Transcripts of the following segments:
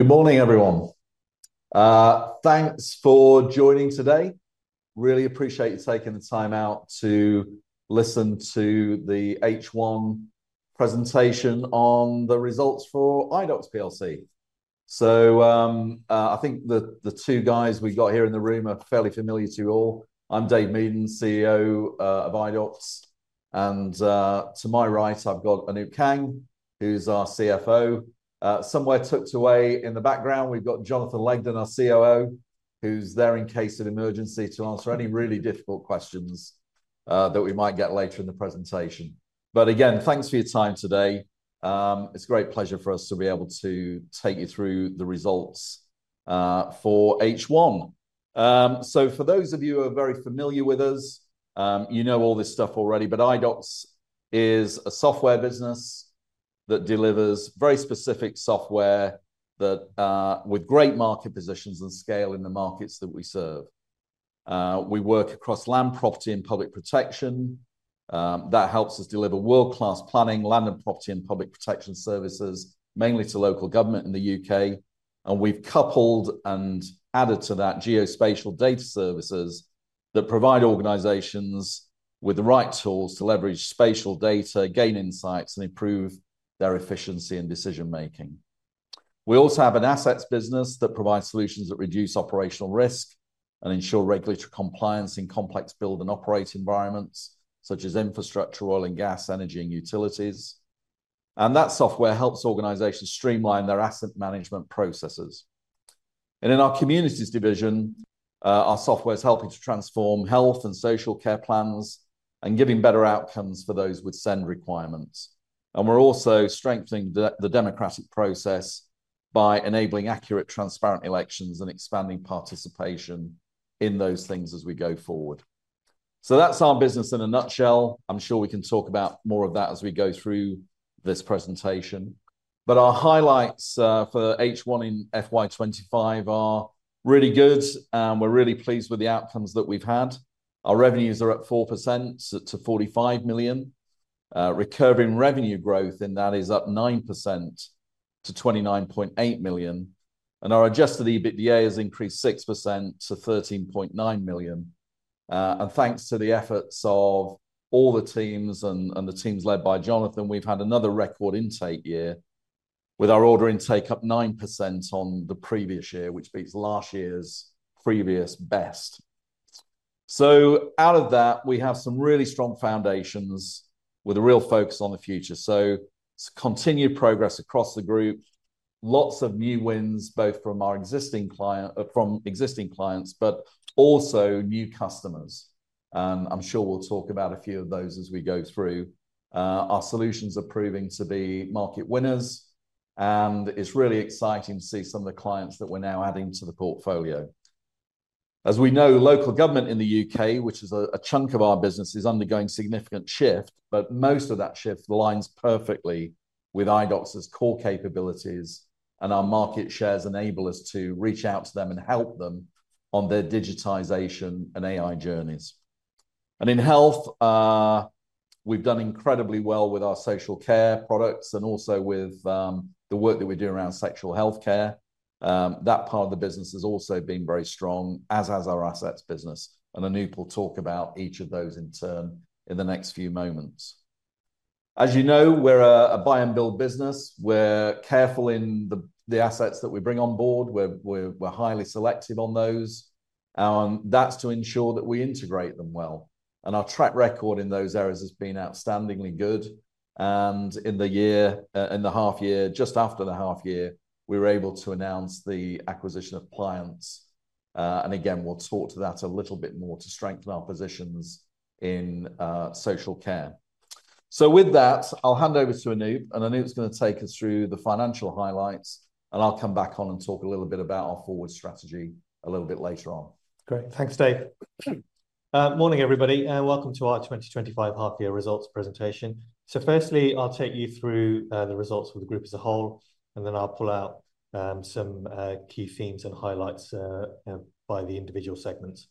Good morning, everyone. Thanks for joining today. Really appreciate you taking the time out to listen to the H1 presentation on the results for PLC. I think the two guys we have here in the room are fairly familiar to you all. I am Dave Meaden, CEO of Idox. To my right, I have Anoop Kang, who is our CFO. Somewhere tucked away in the background, we have Jonathan Legdon, our COO, who is there in case of emergency to answer any really difficult questions that we might get later in the presentation. Again, thanks for your time today. It is a great pleasure for us to be able to take you through the results for H1. For those of you who are very familiar with us, you know all this stuff already, but Idox is a software business that delivers very specific software, with great market positions and scale in the markets that we serve. We work across land property and public protection. That helps us deliver world-class planning, land and property and public protection services, mainly to local government in the U.K. We have coupled and added to that geospatial data services that provide organizations with the right tools to leverage spatial data, gain insights, and improve their efficiency and decision-making. We also have an assets business that provides solutions that reduce operational risk and ensure regulatory comPlianz in complex build and operate environments, such as infrastructure, oil and gas, energy, and utilities. That software helps organizations streamline their asset management processes. In our communities division, our software is helping to transform health and social care plans and giving better outcomes for those with SEND requirements. We are also strengthening the democratic process by enabling accurate, transparent elections and expanding participation in those things as we go forward. That is our business in a nutshell. I am sure we can talk about more of that as we go through this presentation. Our highlights for H1 in FY 2025 are really good, and we are really pleased with the outcomes that we have had. Our revenues are up 4% to 45 million. Recurring revenue growth in that is up 9% to 29.8 million. Our adjusted EBITDA has increased 6% to 13.9 million. Thanks to the efforts of all the teams and the teams led by Jonathan, we've had another record intake year with our order intake up 9% on the previous year, which beats last year's previous best. Out of that, we have some really strong foundations with a real focus on the future. It is continued progress across the group, lots of new wins both from our existing clients, but also new customers. I'm sure we'll talk about a few of those as we go through. Our solutions are proving to be market winners, and it's really exciting to see some of the clients that we're now adding to the portfolio. As we know, local government in the U.K., which is a chunk of our business, is undergoing significant shift, but most of that shift aligns perfectly with Idox's core capabilities, and our market shares enable us to reach out to them and help them on their digitization and AI journeys. In health, we've done incredibly well with our social care products and also with the work that we do around sexual healthcare. That part of the business has also been very strong, as has our assets business. Anoop will talk about each of those in turn in the next few moments. As you know, we're a buy-and-build business. We're careful in the assets that we bring on board. We're highly selective on those. That is to ensure that we integrate them well. Our track record in those areas has been outstandingly good. In the year, in the half year, just after the half year, we were able to announce the acquisition of Plianz. Again, we'll talk to that a little bit more to strengthen our positions in social care. With that, I'll hand over to Anoop, and Anoop's going to take us through the financial highlights, and I'll come back on and talk a little bit about our forward strategy a little bit later on. Great. Thanks, Dave. Morning, everybody, and welcome to our 2025 half-year results presentation. Firstly, I'll take you through the results for the group as a whole, and then I'll pull out some key themes and highlights by the individual segments.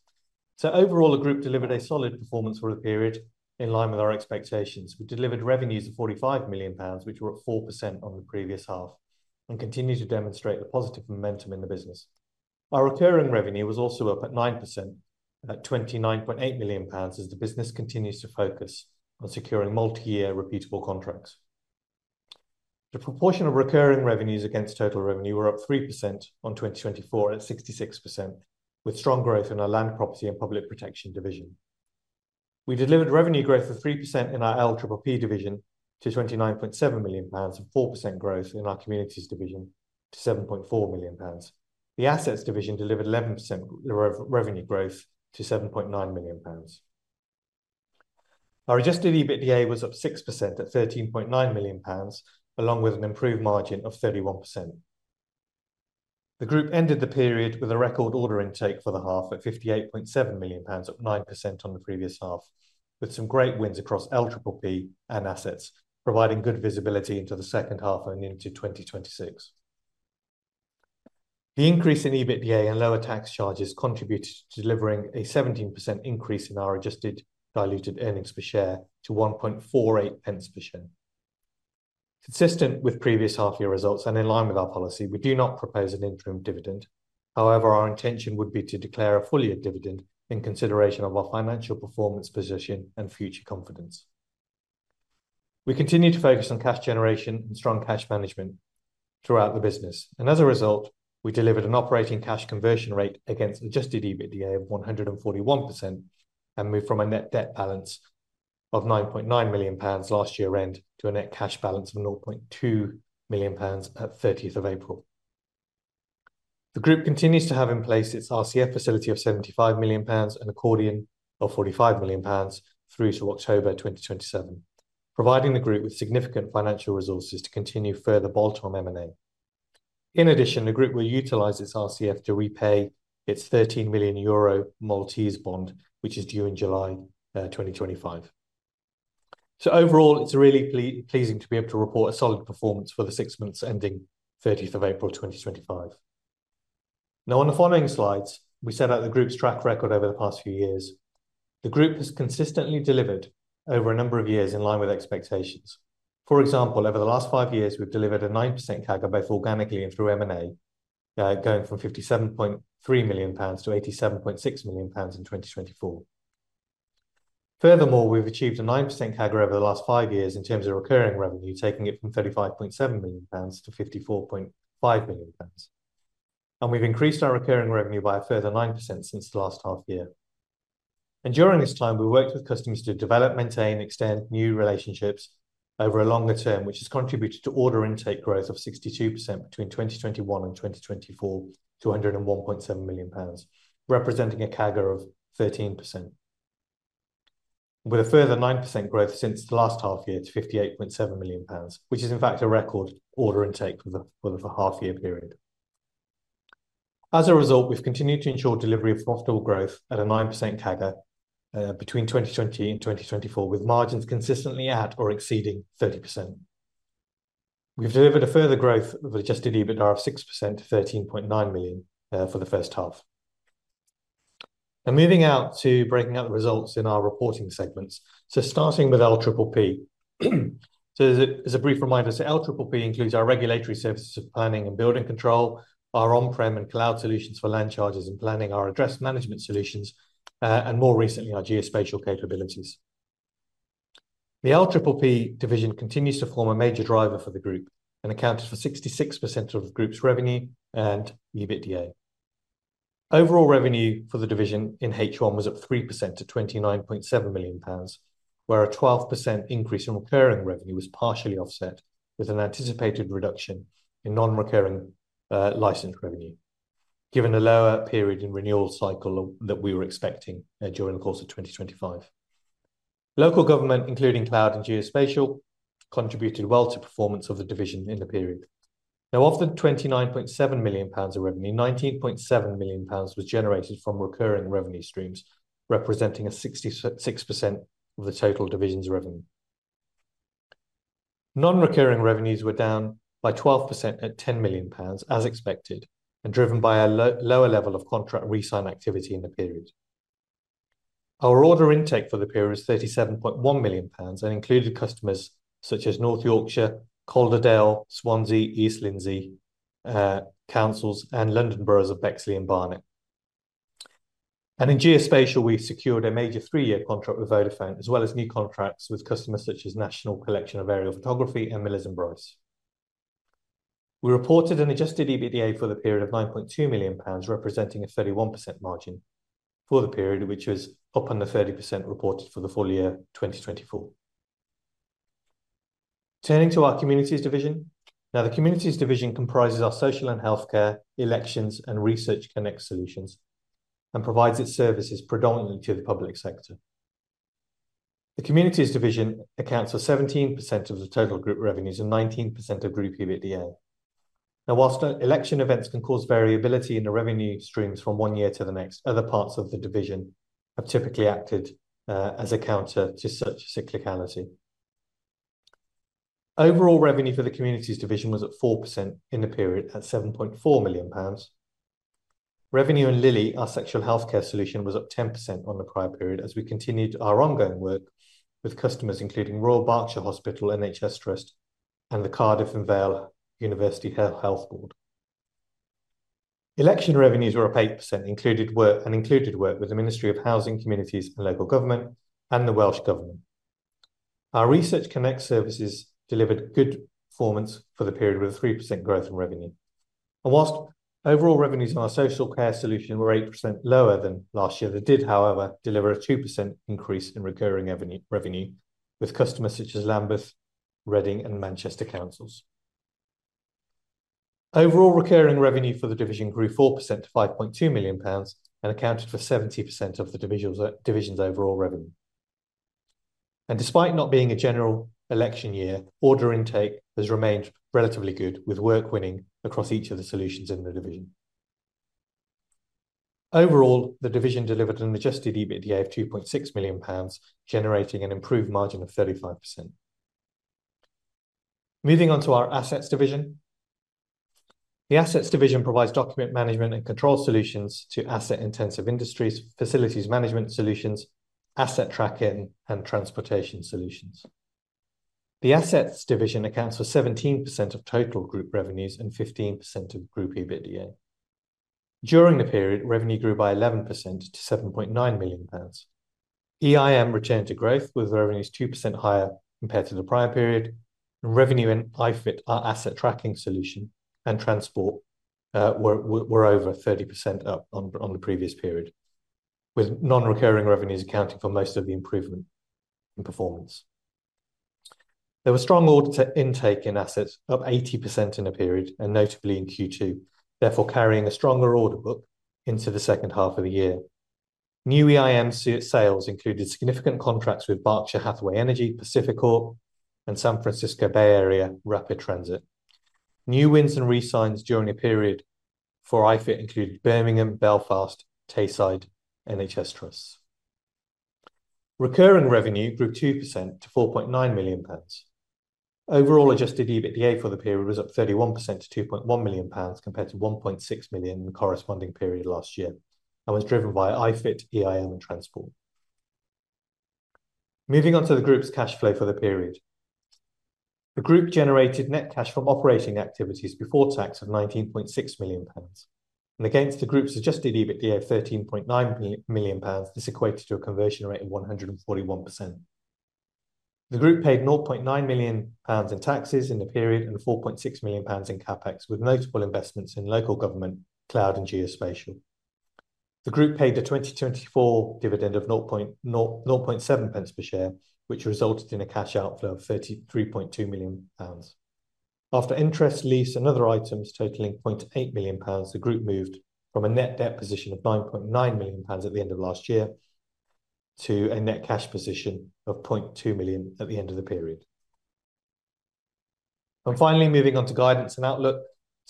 Overall, the group delivered a solid performance for the period in line with our expectations. We delivered revenues of 45 million pounds, which were up 4% on the previous half, and continue to demonstrate the positive momentum in the business. Our recurring revenue was also up at 9% at 29.8 million pounds as the business continues to focus on securing multi-year repeatable contracts. The proportion of recurring revenues against total revenue was up 3% on 2024 at 66%, with strong growth in our land, property, and public protection division. We delivered revenue growth of 3% in our LPPP division to 29.7 million pounds and 4% growth in our communities division to 7.4 million pounds. The assets division delivered 11% revenue growth to 7.9 million pounds. Our adjusted EBITDA was up 6% at 13.9 million pounds, along with an improved margin of 31%. The group ended the period with a record order intake for the half at 58.7 million pounds, up 9% on the previous half, with some great wins across LPPP and assets, providing good visibility into the second half and into 2026. The increase in EBITDA and lower tax charges contributed to delivering a 17% increase in our adjusted diluted earnings per share to 1.48 per share. Consistent with previous half-year results and in line with our policy, we do not propose an interim dividend. However, our intention would be to declare a full-year dividend in consideration of our financial performance position and future confidence. We continue to focus on cash generation and strong cash management throughout the business. As a result, we delivered an operating cash conversion rate against adjusted EBITDA of 141% and moved from a net debt balance of 9.9 million pounds last year-end to a net cash balance of 0.2 million pounds at 30th of April. The group continues to have in place its RCF facility of GBP 75 million and accordion of GBP 45 million through to October 2027, providing the group with significant financial resources to continue further bolt-on M&A. In addition, the group will utilize its RCF to repay its EUR 13 million Maltese bond, which is due in July 2025. Overall, it's really pleasing to be able to report a solid performance for the six months ending 30th of April 2025. Now, on the following slides, we set out the group's track record over the past few years. The group has consistently delivered over a number of years in line with expectations. For example, over the last five years, we've delivered a 9% CAGR both organically and through M&A, going from 57.3 million pounds to 87.6 million pounds in 2024. Furthermore, we've achieved a 9% CAGR over the last five years in terms of recurring revenue, taking it from 35.7 million pounds to 54.5 million pounds. We've increased our recurring revenue by a further 9% since the last half-year. During this time, we worked with customers to develop, maintain, and extend new relationships over a longer term, which has contributed to order intake growth of 62% between 2021 and 2024 to 101.7 million pounds, representing a CAGR of 13%, with a further 9% growth since the last half-year to 58.7 million pounds, which is in fact a record order intake for the half-year period. As a result, we have continued to ensure delivery of profitable growth at a 9% CAGR between 2020 and 2024, with margins consistently at or exceeding 30%. We have delivered a further growth of adjusted EBITDA of 6% to 13.9 million for the first half. Moving out to breaking out the results in our reporting segments. Starting with LPPP. As a brief reminder, LPPP includes our regulatory services of planning and building control, our on-prem and cloud solutions for land charges and planning, our address management solutions, and more recently, our geospatial capabilities. The LPPP division continues to form a major driver for the group and accounted for 66% of the group's revenue and EBITDA. Overall revenue for the division in H1 was up 3% to 29.7 million pounds, where a 12% increase in recurring revenue was partially offset with an anticipated reduction in non-recurring license revenue, given a lower period in renewal cycle that we were expecting during the course of 2025. Local government, including cloud and geospatial, contributed well to performance of the division in the period. Of the 29.7 million pounds of revenue, 19.7 million pounds was generated from recurring revenue streams, representing 66% of the total division's revenue. Non-recurring revenues were down by 12% at 10 million pounds, as expected, and driven by a lower level of contract resign activity in the period. Our order intake for the period was 37.1 million pounds and included customers such as North Yorkshire, Calderdale, Swansea, East Lindsey Councils, and London boroughs of Bexley and Barnet. In geospatial, we secured a major three-year contract with Vodafone, as well as new contracts with customers such as National Collection of Aerial Photography and Millar & Bryce. We reported an adjusted EBITDA for the period of 9.2 million pounds, representing a 31% margin for the period, which was up under 30% reported for the full year 2024. Turning to our communities division. The communities division comprises our social and healthcare, elections, and ResearchConnect solutions, and provides its services predominantly to the public sector. The communities division accounts for 17% of the total group revenues and 19% of group EBITDA. Now, whilst election events can cause variability in the revenue streams from one year to the next, other parts of the division have typically acted as a counter to such cyclicality. Overall revenue for the communities division was at 4% in the period at 7.4 million pounds. Revenue in Lilie, our sexual healthcare solution, was up 10% on the prior period as we continued our ongoing work with customers including Royal Berkshire NHS Trust and the Cardiff and Vale University Health Board. Election revenues were up 8% and included work with the Ministry of Housing, Communities and Local Government and the Welsh Government. Our ResearchConnect services delivered good performance for the period with a 3% growth in revenue. Whilst overall revenues in our social care solution were 8% lower than last year, they did, however, deliver a 2% increase in recurring revenue with customers such as Lambeth, Reading, and Manchester Councils. Overall recurring revenue for the division grew 4% to 5.2 million pounds and accounted for 70% of the division's overall revenue. Despite not being a general election year, order intake has remained relatively good, with work winning across each of the solutions in the division. Overall, the division delivered an adjusted EBITDA of 2.6 million pounds, generating an improved margin of 35%. Moving on to our assets division. The assets division provides document management and control solutions to asset-intensive industries, facilities management solutions, asset tracking, and transportation solutions. The assets division accounts for 17% of total group revenues and 15% of group EBITDA. During the period, revenue grew by 11% to 7.9 million pounds. EIM returned to growth, with revenues 2% higher compared to the prior period. Revenue in iFIT, our asset tracking solution and transport, were over 30% up on the previous period, with non-recurring revenues accounting for most of the improvement in performance. There was strong order intake in assets, up 80% in a period, notably in Q2, therefore carrying a stronger order book into the second half of the year. New EIM sales included significant contracts with Berkshire Hathaway Energy, PacifiCorp, and San Francisco Bay Area Rapid Transit. New wins and resigns during a period for iFIT included Birmingham, Belfast, Tayside, NHS Trusts. Recurring revenue grew 2% to 4.9 million pounds. Overall adjusted EBITDA for the period was up 31% to 2.1 million pounds compared to 1.6 million in the corresponding period last year, and was driven by iFIT, EIM, and transport. Moving on to the group's cash flow for the period. The group generated net cash from operating activities before tax of 19.6 million pounds. Against the group's adjusted EBITDA of 13.9 million pounds, this equated to a conversion rate of 141%. The group paid 0.9 million pounds in taxes in the period and 4.6 million pounds in CapEx, with notable investments in local government, cloud, and geospatial. The group paid the 2024 dividend of 0.7 per share, which resulted in a cash outflow of 33.2 million pounds. After interest, lease, and other items totaling 0.8 million pounds, the group moved from a net debt position of 9.9 million pounds at the end of last year to a net cash position of 0.2 million at the end of the period. Finally, moving on to guidance and outlook.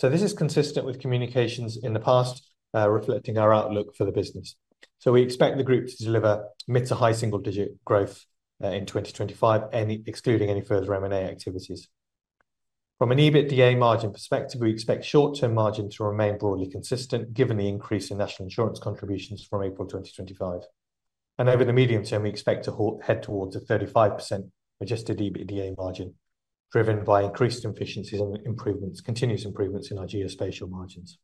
This is consistent with communications in the past, reflecting our outlook for the business. We expect the group to deliver mid-to-high single-digit growth in 2025, excluding any further M&A activities. From an EBITDA margin perspective, we expect short-term margin to remain broadly consistent, given the increase in national insurance contributions from April 2025. Over the medium term, we expect to head towards a 35% adjusted EBITDA margin, driven by increased efficiencies and continuous improvements in our geospatial margins.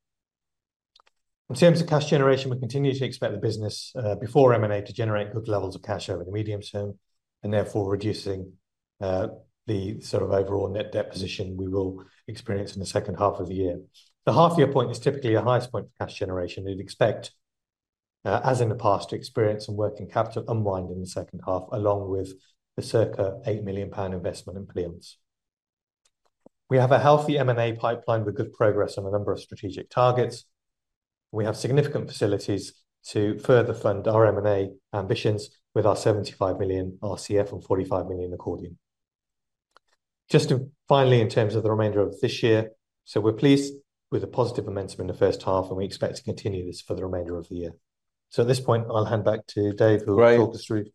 In terms of cash generation, we continue to expect the business before M&A to generate good levels of cash over the medium term, and therefore reducing the sort of overall net debt position we will experience in the second half of the year. The half-year point is typically the highest point for cash generation. We would expect, as in the past, to experience some working capital unwind in the second half, along with a circa 8 million pound investment in Plianz. We have a healthy M&A pipeline with good progress on a number of strategic targets. We have significant facilities to further fund our M&A ambitions with our 75 million RCF and 45 million accordion. Just finally, in terms of the remainder of this year, we are pleased with a positive momentum in the first half, and we expect to continue this for the remainder of the year. At this point, I will hand back to Dave, who will talk us through the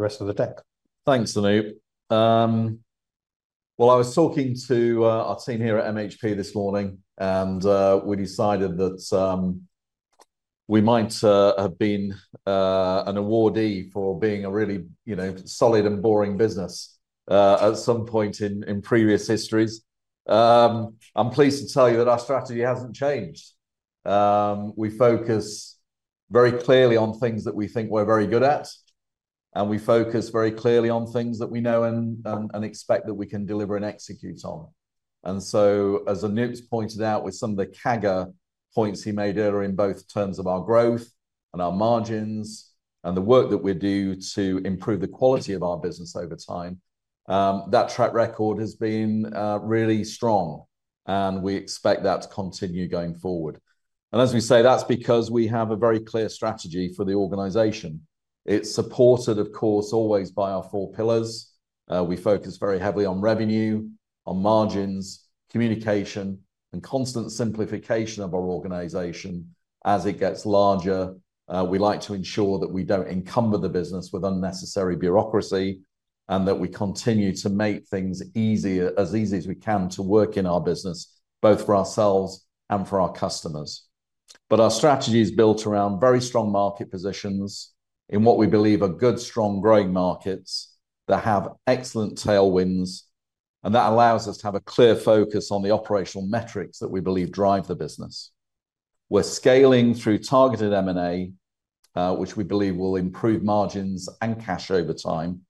rest of the deck. Thanks, Anoop. I was talking to our team here at MHP Group this morning, and we decided that we might have been an awardee for being a really, you know, solid and boring business at some point in previous histories. I am pleased to tell you that our strategy has not changed. We focus very clearly on things that we think we're very good at, and we focus very clearly on things that we know and expect that we can deliver and execute on. As Anoop's pointed out with some of the CAGR points he made earlier in both terms of our growth and our margins and the work that we do to improve the quality of our business over time, that track record has been really strong, and we expect that to continue going forward. As we say, that's because we have a very clear strategy for the organization. It's supported, of course, always by our four pillars. We focus very heavily on revenue, on margins, communication, and constant simplification of our organization. As it gets larger, we like to ensure that we do not encumber the business with unnecessary bureaucracy and that we continue to make things as easy as we can to work in our business, both for ourselves and for our customers. Our strategy is built around very strong market positions in what we believe are good, strong, growing markets that have excellent tailwinds, and that allows us to have a clear focus on the operational metrics that we believe drive the business. We are scaling through targeted M&A, which we believe will improve margins and cash over time.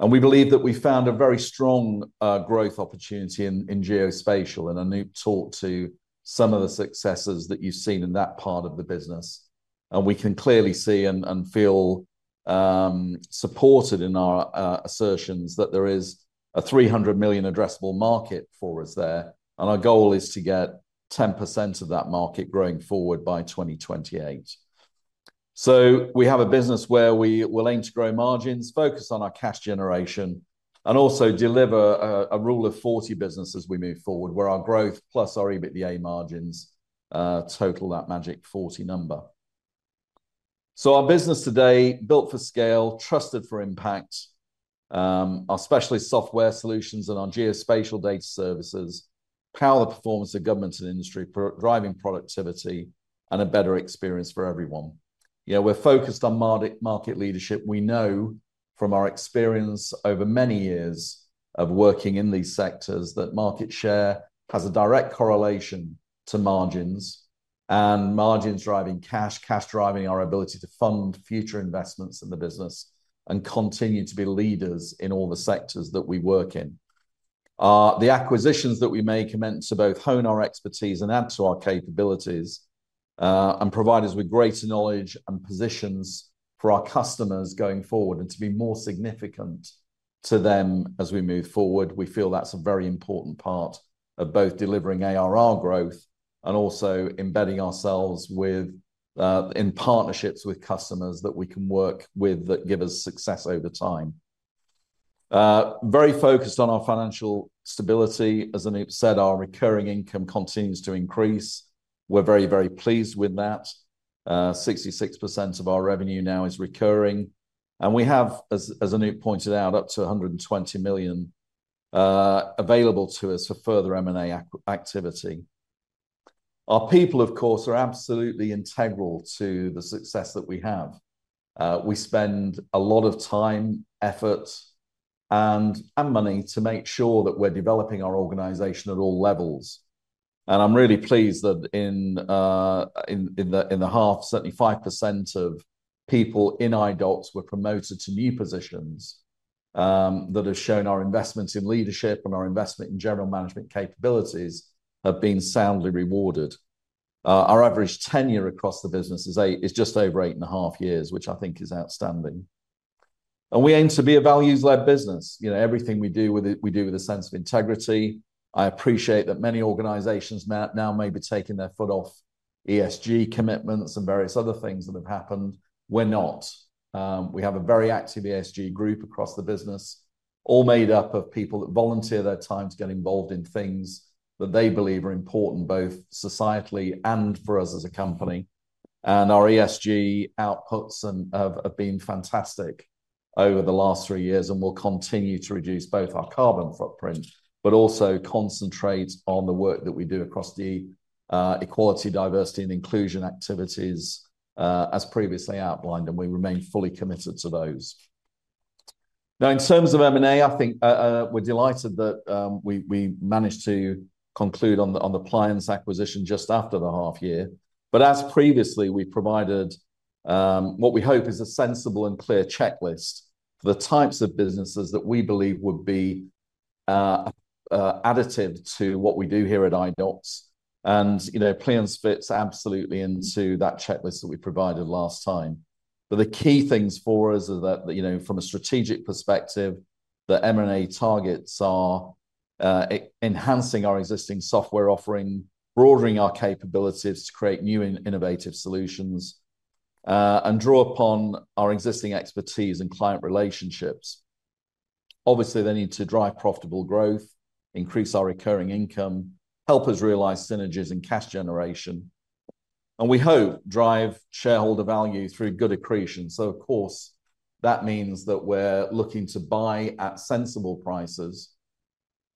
We believe that we found a very strong growth opportunity in geospatial, and Anoop talked to some of the successes that you have seen in that part of the business. We can clearly see and feel supported in our assertions that there is a 300 million addressable market for us there. Our goal is to get 10% of that market growing forward by 2028. We have a business where we will aim to grow margins, focus on our cash generation, and also deliver a rule of 40 business as we move forward, where our growth plus our EBITDA margins total that magic 40 number. Our business today, built for scale, trusted for impact, our specialist software solutions and our geospatial data services power the performance of government and industry, driving productivity and a better experience for everyone. Yeah, we're focused on market leadership. We know from our experience over many years of working in these sectors that market share has a direct correlation to margins and margins driving cash, cash driving our ability to fund future investments in the business and continue to be leaders in all the sectors that we work in. The acquisitions that we make are meant to both hone our expertise and add to our capabilities and provide us with greater knowledge and positions for our customers going forward to be more significant to them as we move forward. We feel that's a very important part of both delivering ARR growth and also embedding ourselves in partnerships with customers that we can work with that give us success over time. Very focused on our financial stability. As Anoop said, our recurring income continues to increase. We're very, very pleased with that, 66% of our revenue now is recurring. We have, as Anoop pointed out, up to 120 million available to us for further M&A activity. Our people, of course, are absolutely integral to the success that we have. We spend a lot of time, effort, and money to make sure that we're developing our organization at all levels. I'm really pleased that in the half, certainly 5% of people in Idox were promoted to new positions that have shown our investment in leadership and our investment in general management capabilities have been soundly rewarded. Our average tenure across the business is just over eight-and-a-half years, which I think is outstanding. We aim to be a values-led business. You know, everything we do, we do with a sense of integrity. I appreciate that many organizations now may be taking their foot off ESG commitments and various other things that have happened. We're not. We have a very active ESG group across the business, all made up of people that volunteer their time to get involved in things that they believe are important both societally and for us as a company. Our ESG outputs have been fantastic over the last three years and will continue to reduce both our carbon footprint, but also concentrate on the work that we do across the equality, diversity, and inclusion activities as previously outlined, and we remain fully committed to those. Now, in terms of M&A, I think we're delighted that we managed to conclude on the Plianz acquisition just after the half year. As previously, we provided what we hope is a sensible and clear checklist for the types of businesses that we believe would be additive to what we do here at Idox. You know, Plianz fits absolutely into that checklist that we provided last time. The key things for us are that, you know, from a strategic perspective, the M&A targets are enhancing our existing software offering, broadening our capabilities to create new and innovative solutions, and draw upon our existing expertise and client relationships. Obviously, they need to drive profitable growth, increase our recurring income, help us realize synergies in cash generation, and we hope drive shareholder value through good accretion. Of course, that means that we're looking to buy at sensible prices,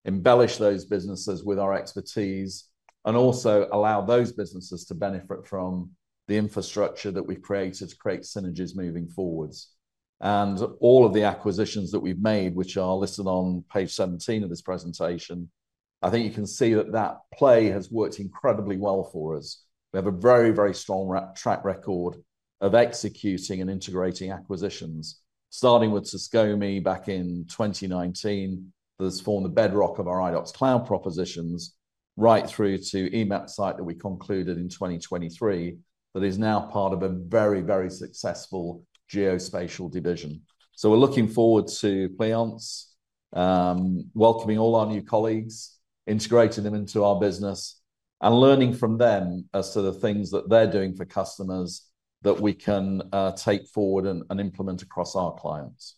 embellish those businesses with our expertise, and also allow those businesses to benefit from the infrastructure that we've created to create synergies moving forwards. All of the acquisitions that we've made, which are listed on page 17 of this presentation, I think you can see that that play has worked incredibly well for us. We have a very, very strong track record of executing and integrating acquisitions, starting with SysGoMe back in 2019 that has formed the bedrock of our Idox cloud propositions right through to Emapsite that we concluded in 2023 that is now part of a very, very successful geospatial division. We're looking forward to Plianz, welcoming all our new colleagues, integrating them into our business, and learning from them as to the things that they're doing for customers that we can take forward and implement across our clients.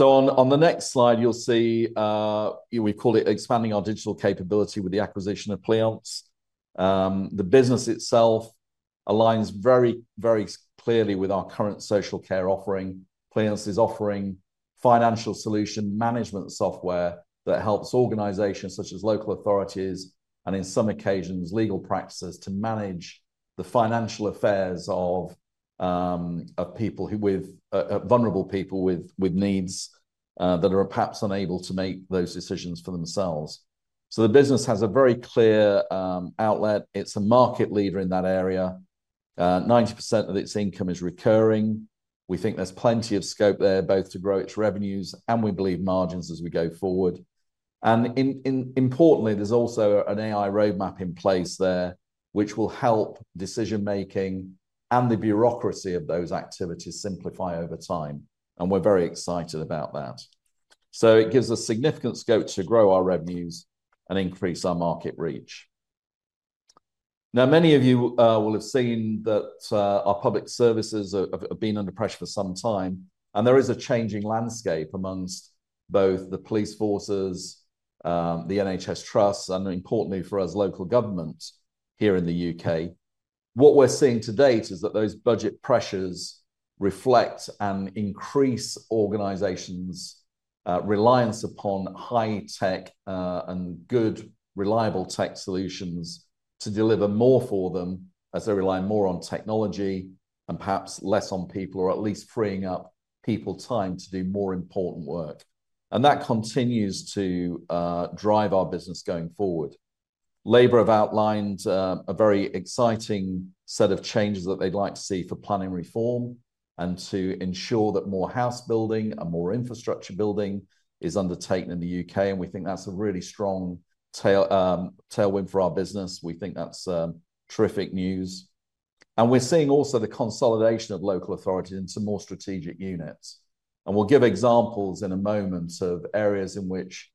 On the next slide, you'll see we've called it expanding our digital capability with the acquisition of Plianz. The business itself aligns very, very clearly with our current social care offering. Plianz is offering financial solution management software that helps organizations such as local authorities and, in some occasions, legal practices to manage the financial affairs of vulnerable people with needs that are perhaps unable to make those decisions for themselves. The business has a very clear outlet. It is a market leader in that area, 90% of its income is recurring. We think there is plenty of scope there both to grow its revenues and we believe margins as we go forward. Importantly, there is also an AI roadmap in place there, which will help decision-making and the bureaucracy of those activities simplify over time. We are very excited about that. It gives us significant scope to grow our revenues and increase our market reach. Now, many of you will have seen that our public services have been under pressure for some time, and there is a changing landscape amongst both the police forces, the NHS Trust, and importantly for us, local governments here in the U.K. What we're seeing to date is that those budget pressures reflect and increase organizations' reliance upon high-tech and good, reliable tech solutions to deliver more for them as they rely more on technology and perhaps less on people, or at least freeing up people's time to do more important work. That continues to drive our business going forward. Labor have outlined a very exciting set of changes that they'd like to see for planning reform and to ensure that more house building and more infrastructure building is undertaken in the U.K. We think that's a really strong tailwind for our business. We think that's terrific news. We're seeing also the consolidation of local authorities into more strategic units. We'll give examples in a moment of areas in which,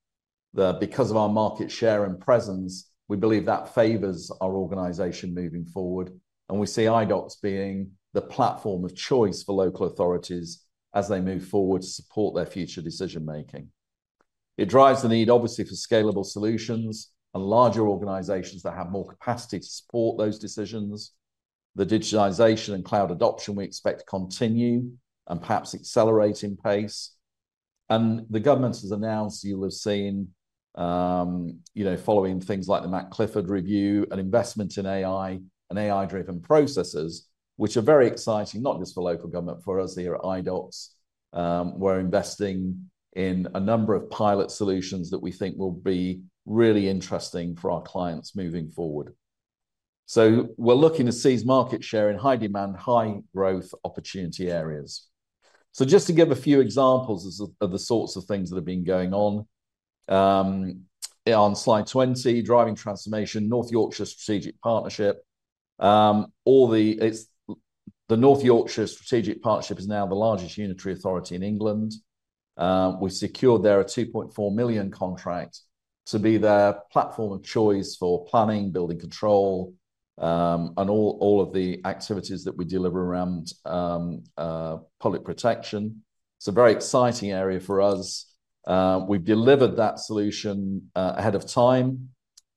because of our market share and presence, we believe that favors our organization moving forward. We see Idox being the platform of choice for local authorities as they move forward to support their future decision-making. It drives the need, obviously, for scalable solutions and larger organizations that have more capacity to support those decisions. The digitization and cloud adoption we expect to continue and perhaps accelerate in pace. The government has announced, you will have seen, you know, following things like the McClifford review, an investment in AI and AI-driven processes, which are very exciting, not just for local government, but for us here at Idox. We're investing in a number of pilot solutions that we think will be really interesting for our clients moving forward. We're looking to seize market share in high-demand, high-growth opportunity areas. Just to give a few examples of the sorts of things that have been going on. On slide 20, Driving Transformation: North Yorkshire Strategic Partnership. The North Yorkshire Strategic Partnership is now the largest unitary authority in England. We secured their 2.4 million contract to be their platform of choice for planning, building control, and all of the activities that we deliver around public protection. It's a very exciting area for us. We've delivered that solution ahead of time.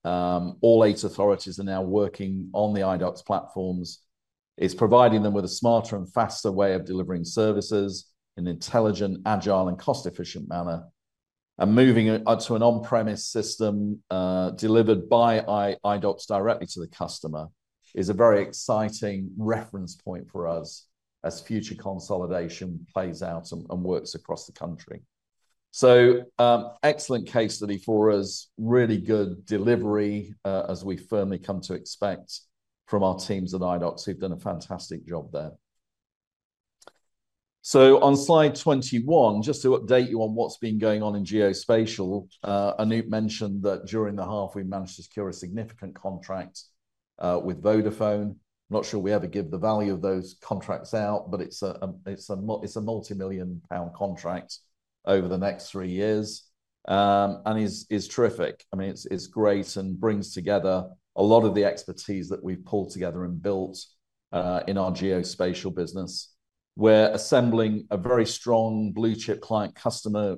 All eight authorities are now working on the Idox platforms. It's providing them with a smarter and faster way of delivering services in an intelligent, agile, and cost-efficient manner. Moving to an on-premise system delivered by Idox directly to the customer is a very exciting reference point for us as future consolidation plays out and works across the country. Excellent case study for us, really good delivery as we firmly come to expect from our teams at Idox. We've done a fantastic job there. On slide 21, just to update you on what's been going on in geospatial, Anoop mentioned that during the half, we managed to secure a significant contract with Vodafone. I'm not sure we ever give the value of those contracts out, but it's a multi-million GBP contract over the next three years and is terrific. I mean, it's great and brings together a lot of the expertise that we've pulled together and built in our geospatial business. We're assembling a very strong blue-chip client customer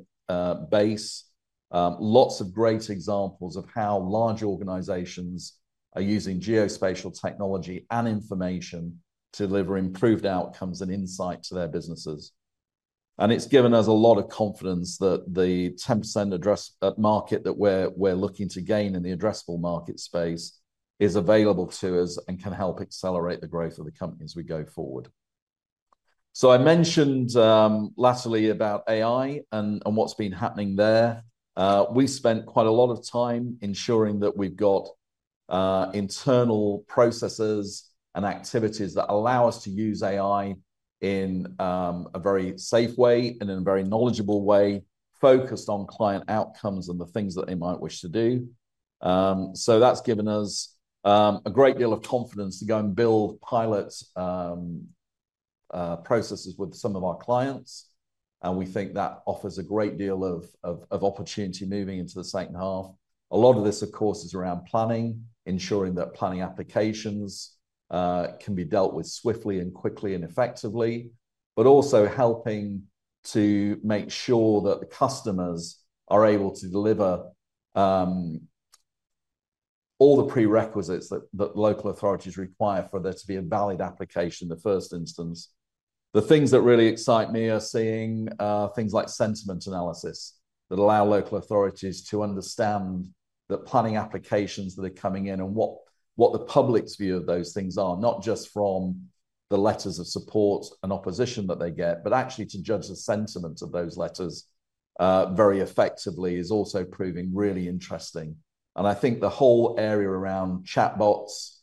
base, lots of great examples of how large organizations are using geospatial technology and information to deliver improved outcomes and insight to their businesses. It has given us a lot of confidence that the 10% market that we're looking to gain in the addressable market space is available to us and can help accelerate the growth of the company as we go forward. I mentioned laterally about AI and what's been happening there. We spent quite a lot of time ensuring that we've got internal processes and activities that allow us to use AI in a very safe way and in a very knowledgeable way, focused on client outcomes and the things that they might wish to do. That has given us a great deal of confidence to go and build pilot processes with some of our clients. We think that offers a great deal of opportunity moving into the second half. A lot of this, of course, is around planning, ensuring that planning applications can be dealt with swiftly and quickly and effectively, but also helping to make sure that the customers are able to deliver all the prerequisites that local authorities require for there to be a valid application in the first instance. The things that really excite me are seeing things like sentiment analysis that allow local authorities to understand that planning applications that are coming in and what the public's view of those things are, not just from the letters of support and opposition that they get, but actually to judge the sentiment of those letters very effectively is also proving really interesting. I think the whole area around chatbots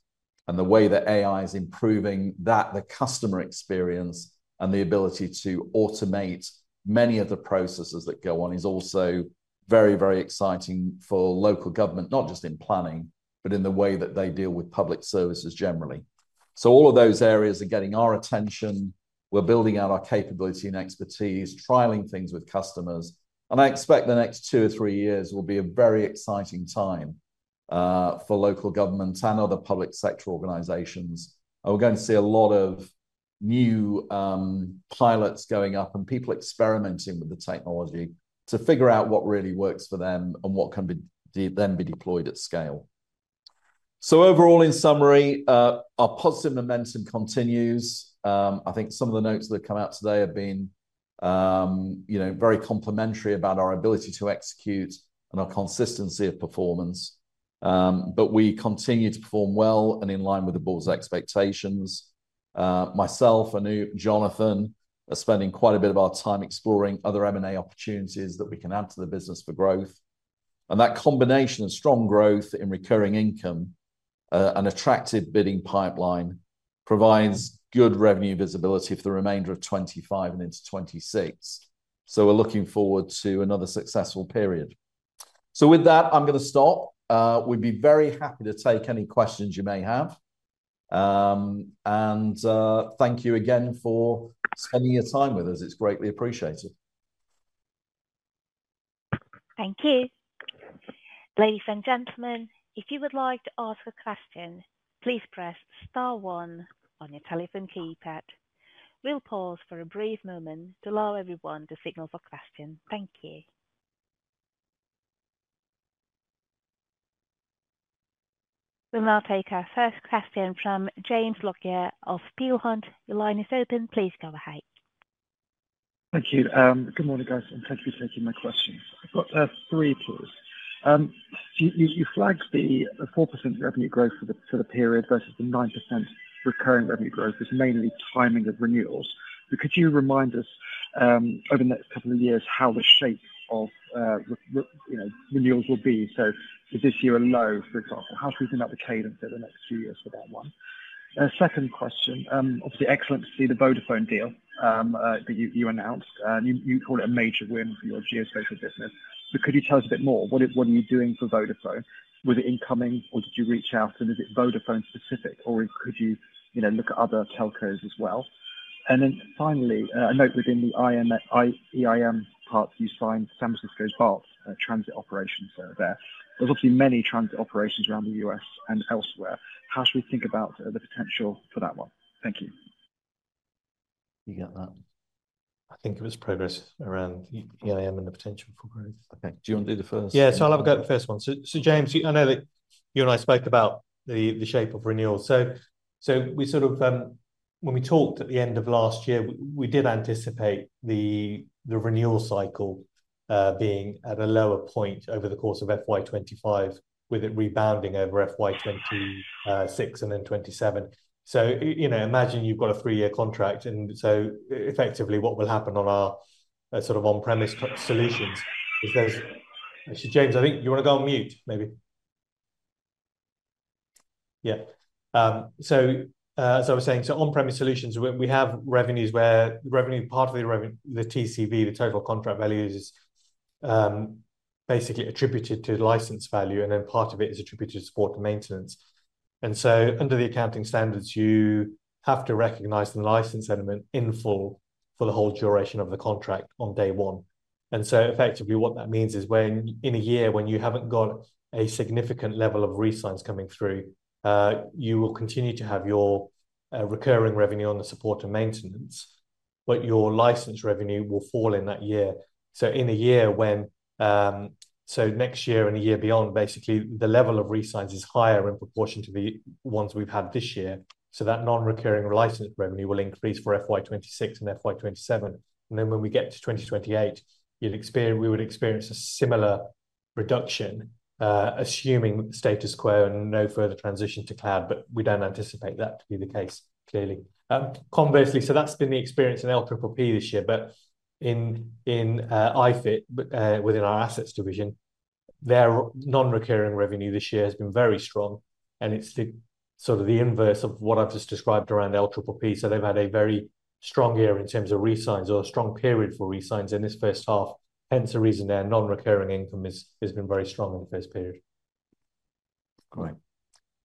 and the way that AI is improving that, the customer experience and the ability to automate many of the processes that go on is also very, very exciting for local government, not just in planning, but in the way that they deal with public services generally. All of those areas are getting our attention. We're building out our capability and expertise, trialing things with customers. I expect the next two or three years will be a very exciting time for local government and other public sector organizations. We're going to see a lot of new pilots going up and people experimenting with the technology to figure out what really works for them and what can then be deployed at scale. Overall, in summary, our positive momentum continues. I think some of the notes that have come out today have been, you know, very complimentary about our ability to execute and our consistency of performance. We continue to perform well and in line with the board's expectations. Myself, Anoop, Jonathan are spending quite a bit of our time exploring other M&A opportunities that we can add to the business for growth. That combination of strong growth in recurring income and attractive bidding pipeline provides good revenue visibility for the remainder of 2025 and into 2026. We are looking forward to another successful period. With that, I'm going to stop. We'd be very happy to take any questions you may have. Thank you again for spending your time with us. It's greatly appreciated. Thank you. Ladies and gentlemen, if you would like to ask a question, please press star one on your telephone keypad. We'll pause for a brief moment to allow everyone to signal for questions. Thank you. We'll now take our first question from James Lockyear of Peel Hunt. Your line is open. Please go ahead. Thank you. Good morning, guys, and thank you for taking my questions. I've got three, please. You flagged the 4% revenue growth for the period versus the 9% recurring revenue growth, which is mainly timing of renewals. Could you remind us over the next couple of years how the shape of renewals will be? Is this year a low, for example? How should we bring up the cadence over the next few years for that one? Second question, obviously excellent to see the Vodafone deal that you announced. You call it a major win for your geospatial business. Could you tell us a bit more? What are you doing for Vodafone? Was it incoming or did you reach out and is it Vodafone specific, or could you look at other telcos as well? Finally, I note within the EIM part, you signed San Francisco's BART transit operations there. There are obviously many transit operations around the U.S. and elsewhere. How should we think about the potential for that one? Thank you. You got that. I think it was progress around EIM and the potential for growth. Okay. Do you want to do the first? Yeah. I'll have a go at the first one. James, I know that you and I spoke about the shape of renewals. When we talked at the end of last year, we did anticipate the renewal cycle being at a lower point over the course of FY 2025, with it rebounding over FY 2026 and then 2027. Imagine you have got a three-year contract. Effectively, what will happen on our sort of on-premise solutions is there is, so James, I think you want to go on mute maybe. Yeah. As I was saying, on-premise solutions, we have revenues where part of the TCV, the total contract value, is basically attributed to license value, and then part of it is attributed to support and maintenance. Under the accounting standards, you have to recognize the license element in full for the whole duration of the contract on day one. Effectively, what that means is when in a year when you have not got a significant level of resigns coming through, you will continue to have your recurring revenue on the support and maintenance, but your license revenue will fall in that year. In a year when, next year and a year beyond, basically the level of resigns is higher in proportion to the ones we've had this year. That non-recurring license revenue will increase for FY 2026 and FY 2027. When we get to 2028, we would experience a similar reduction, assuming status quo and no further transition to cloud, but we do not anticipate that to be the case, clearly. Conversely, that has been the experience in LPPP this year, but in iFIT, within our assets division, their non-recurring revenue this year has been very strong, and it is sort of the inverse of what I have just described around LPPP. They have had a very strong year in terms of resigns or a strong period for resigns in this first half. Hence the reason their non-recurring income has been very strong in the first period. Great.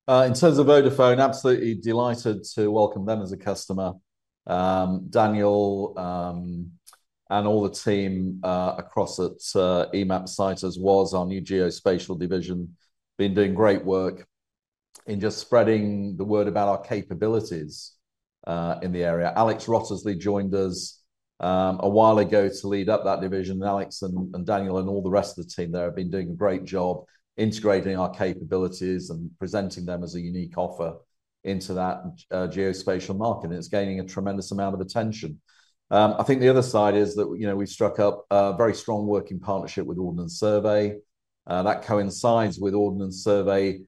In terms of Vodafone, absolutely delighted to welcome them as a customer. Daniel and all the team across at Emapsite as well as our new geospatial division have been doing great work in just spreading the word about our capabilities in the area. Alex Wrottesley joined us a while ago to lead up that division. Alex and Daniel and all the rest of the team there have been doing a great job integrating our capabilities and presenting them as a unique offer into that geospatial market. It is gaining a tremendous amount of attention. I think the other side is that we've struck up a very strong working partnership with Ordnance Survey. That coincides with Ordnance Survey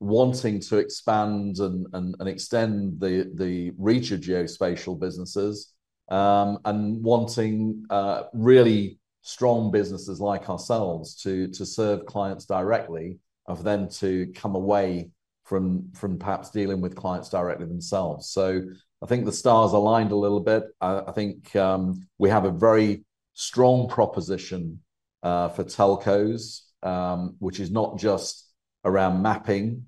wanting to expand and extend the reach of geospatial businesses and wanting really strong businesses like ourselves to serve clients directly and for them to come away from perhaps dealing with clients directly themselves. I think the stars aligned a little bit. I think we have a very strong proposition for telcos, which is not just around mapping,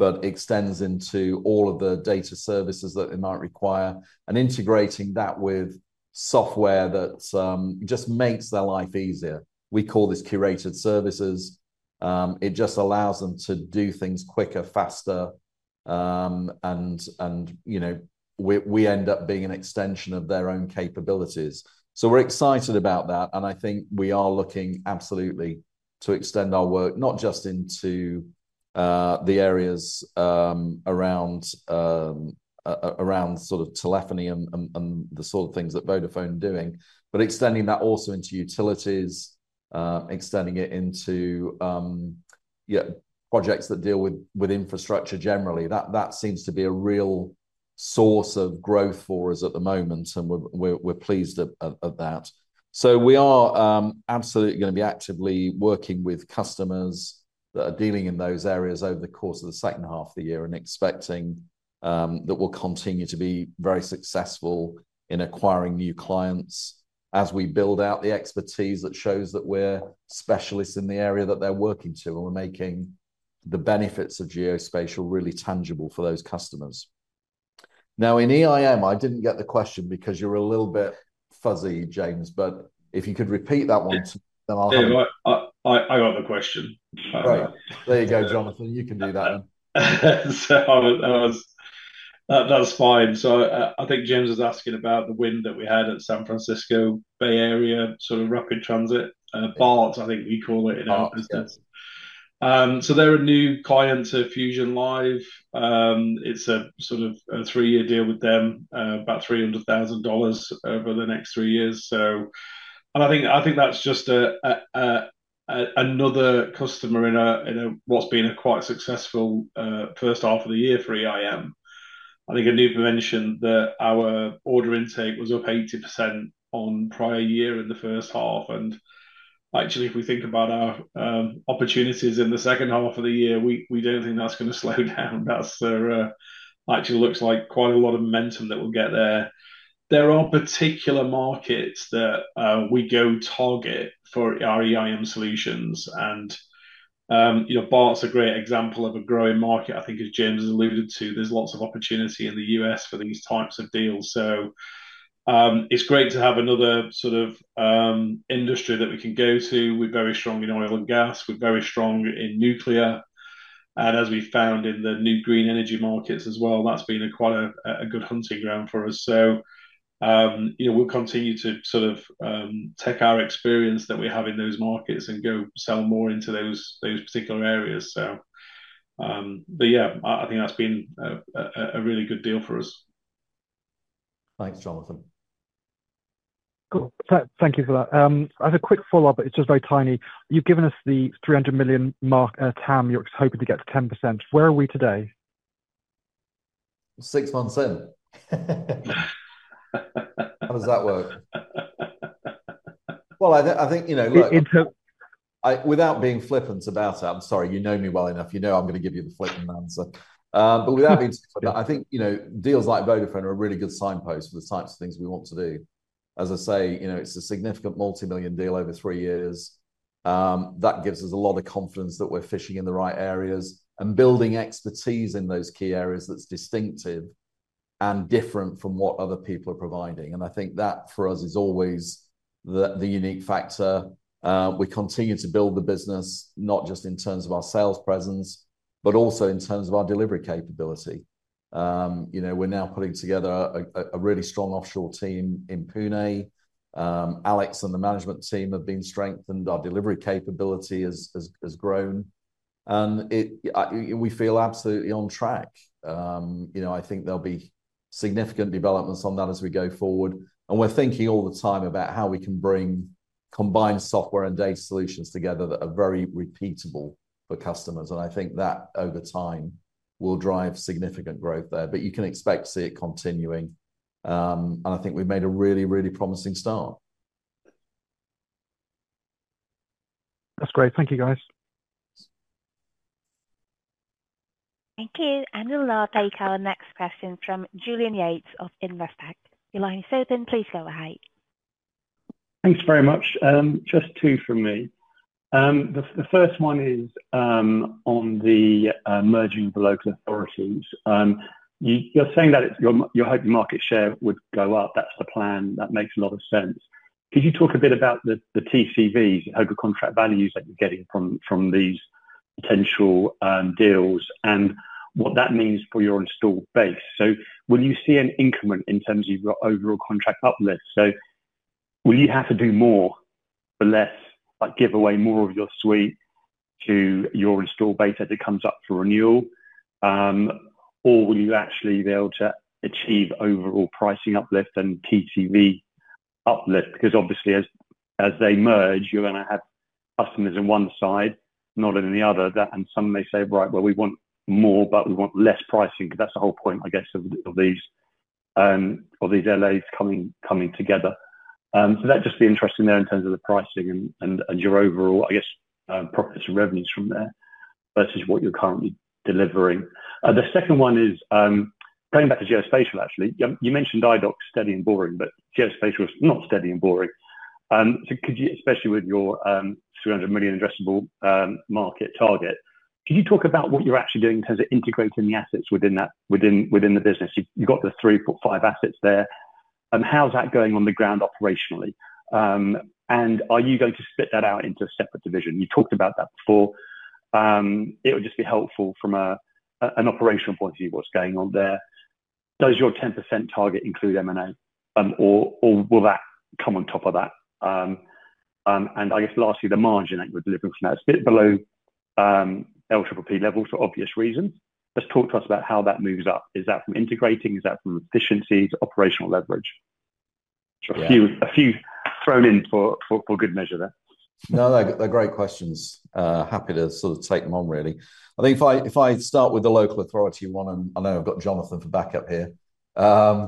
but extends into all of the data services that they might require and integrating that with software that just makes their life easier. We call this curated services. It just allows them to do things quicker, faster, and we end up being an extension of their own capabilities. We're excited about that. I think we are looking absolutely to extend our work, not just into the areas around sort of telephony and the sort of things that Vodafone are doing, but extending that also into utilities, extending it into projects that deal with infrastructure generally. That seems to be a real source of growth for us at the moment, and we're pleased at that. We are absolutely going to be actively working with customers that are dealing in those areas over the course of the second half of the year and expecting that we'll continue to be very successful in acquiring new clients as we build out the expertise that shows that we're specialists in the area that they're working to and we're making the benefits of geospatial really tangible for those customers. Now, in EIM, I didn't get the question because you're a little bit fuzzy, James, but if you could repeat that one to me, then I'll have it. I got the question. Right. There you go, Jonathan. You can do that one. That's fine. I think James is asking about the win that we had at San Francisco Bay Area, sort of rapid transit. BART, I think we call it in our business. They're a new client to FusionLive. It's a three-year deal with them, about $300,000 over the next three years. I think that's just another customer in what's been a quite successful first half of the year for EIM. I need to mention that our order intake was up 80% on prior year in the first half. If we think about our opportunities in the second half of the year, we do not think that is going to slow down. That actually looks like quite a lot of momentum that we will get there. There are particular markets that we go target for our EIM solutions. BART is a great example of a growing market, I think, as James alluded to. There is lots of opportunity in the U.S. for these types of deals. It is great to have another sort of industry that we can go to. We are very strong in oil and gas. We are very strong in nuclear. As we found in the new green energy markets as well, that has been quite a good hunting ground for us. We will continue to sort of take our experience that we have in those markets and go sell more into those particular areas. Yeah, I think that's been a really good deal for us. Thanks, Jonathan. Cool. Thank you for that. I have a quick follow-up, but it's just very tiny. You've given us the 300 million-mark TAM you're hoping to get to 10%. Where are we today? Six months in. How does that work? I think, look, without being flippant about it, I'm sorry, you know me well enough. You know I'm going to give you the flippant answer. But without being too flippant, I think deals like Vodafone are a really good signpost for the types of things we want to do. As I say, it's a significant multi-million deal over three years. That gives us a lot of confidence that we're fishing in the right areas and building expertise in those key areas that's distinctive and different from what other people are providing. I think that for us is always the unique factor. We continue to build the business, not just in terms of our sales presence, but also in terms of our delivery capability. We are now putting together a really strong offshore team in Pune. Alex and the management team have been strengthened. Our delivery capability has grown. We feel absolutely on track. I think there will be significant developments on that as we go forward. We are thinking all the time about how we can bring combined software and data solutions together that are very repeatable for customers. I think that over time will drive significant growth there. You can expect to see it continuing. I think we have made a really, really promising start. That is great. Thank you, guys. Thank you. We will now take our next question from Julian Yates of Investec. Your line is open. Please go ahead. Thanks very much. Just two from me. The first one is on the merging with the local authorities. You're saying that you're hoping market share would go up. That's the plan. That makes a lot of sense. Could you talk a bit about the TCVs, the total contract values that you're getting from these potential deals and what that means for your installed base? So will you see an increment in terms of your overall contract uplift, so will you have to do more for less, give away more of your suite to your installed base as it comes up for renewal? Or will you actually be able to achieve overall pricing uplift and TCV uplift? Because obviously, as they merge, you're going to have customers on one side, not on the other. Some may say, "Right, we want more, but we want less pricing," because that is the whole point, I guess, of these LAs coming together. That would just be interesting there in terms of the pricing and your overall, I guess, profits and revenues from there versus what you are currently delivering. The second one is going back to geospatial, actually. You mentioned Idox, steady and boring, but geospatial is not steady and boring. Especially with your 300 million addressable market target, could you talk about what you are actually doing in terms of integrating the assets within the business? You have got the three or five assets there. How is that going on the ground operationally? Are you going to split that out into a separate division? You talked about that before. It would just be helpful from an operational point of view, what is going on there. Does your 10% target include M&A, or will that come on top of that? I guess lastly, the margin that you're delivering from that, it's a bit below LPPP level for obvious reasons. Just talk to us about how that moves up. Is that from integrating? Is that from efficiencies, operational leverage? A few thrown in for good measure there. No, they're great questions. Happy to sort of take them on, really. I think if I start with the local authority one, and I know I've got Jonathan for backup here. I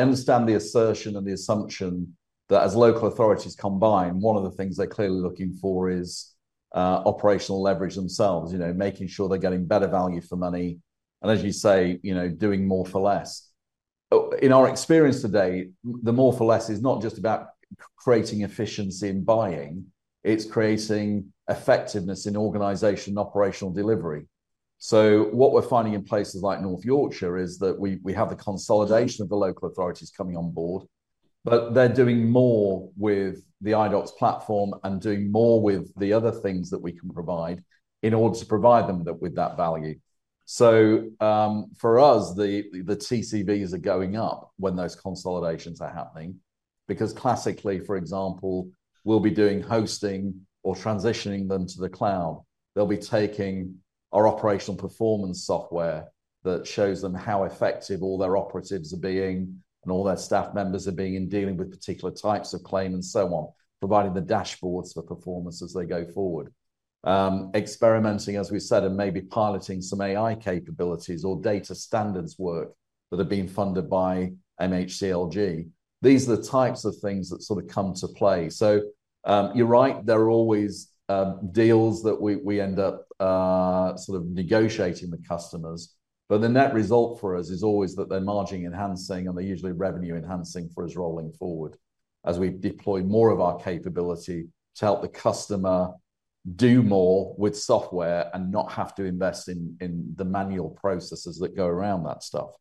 understand the assertion and the assumption that as local authorities combine, one of the things they're clearly looking for is operational leverage themselves, making sure they're getting better value for money. As you say, doing more for less. In our experience today, the more for less is not just about creating efficiency in buying. It's creating effectiveness in organization and operational delivery. What we're finding in places like North Yorkshire is that we have the consolidation of the local authorities coming on board, but they're doing more with the Idox platform and doing more with the other things that we can provide in order to provide them with that value. For us, the TCVs are going up when those consolidations are happening. Because classically, for example, we'll be doing hosting or transitioning them to the cloud. They'll be taking our operational performance software that shows them how effective all their operatives are being and all their staff members are being in dealing with particular types of claim and so on, providing the dashboards for performance as they go forward. Experimenting, as we said, and maybe piloting some AI capabilities or data standards work that have been funded by MHCLG. These are the types of things that sort of come to play. You're right, there are always deals that we end up sort of negotiating with customers. The net result for us is always that they're margin-enhancing and they're usually revenue-enhancing for us rolling forward as we deploy more of our capability to help the customer do more with software and not have to invest in the manual processes that go around that stuff.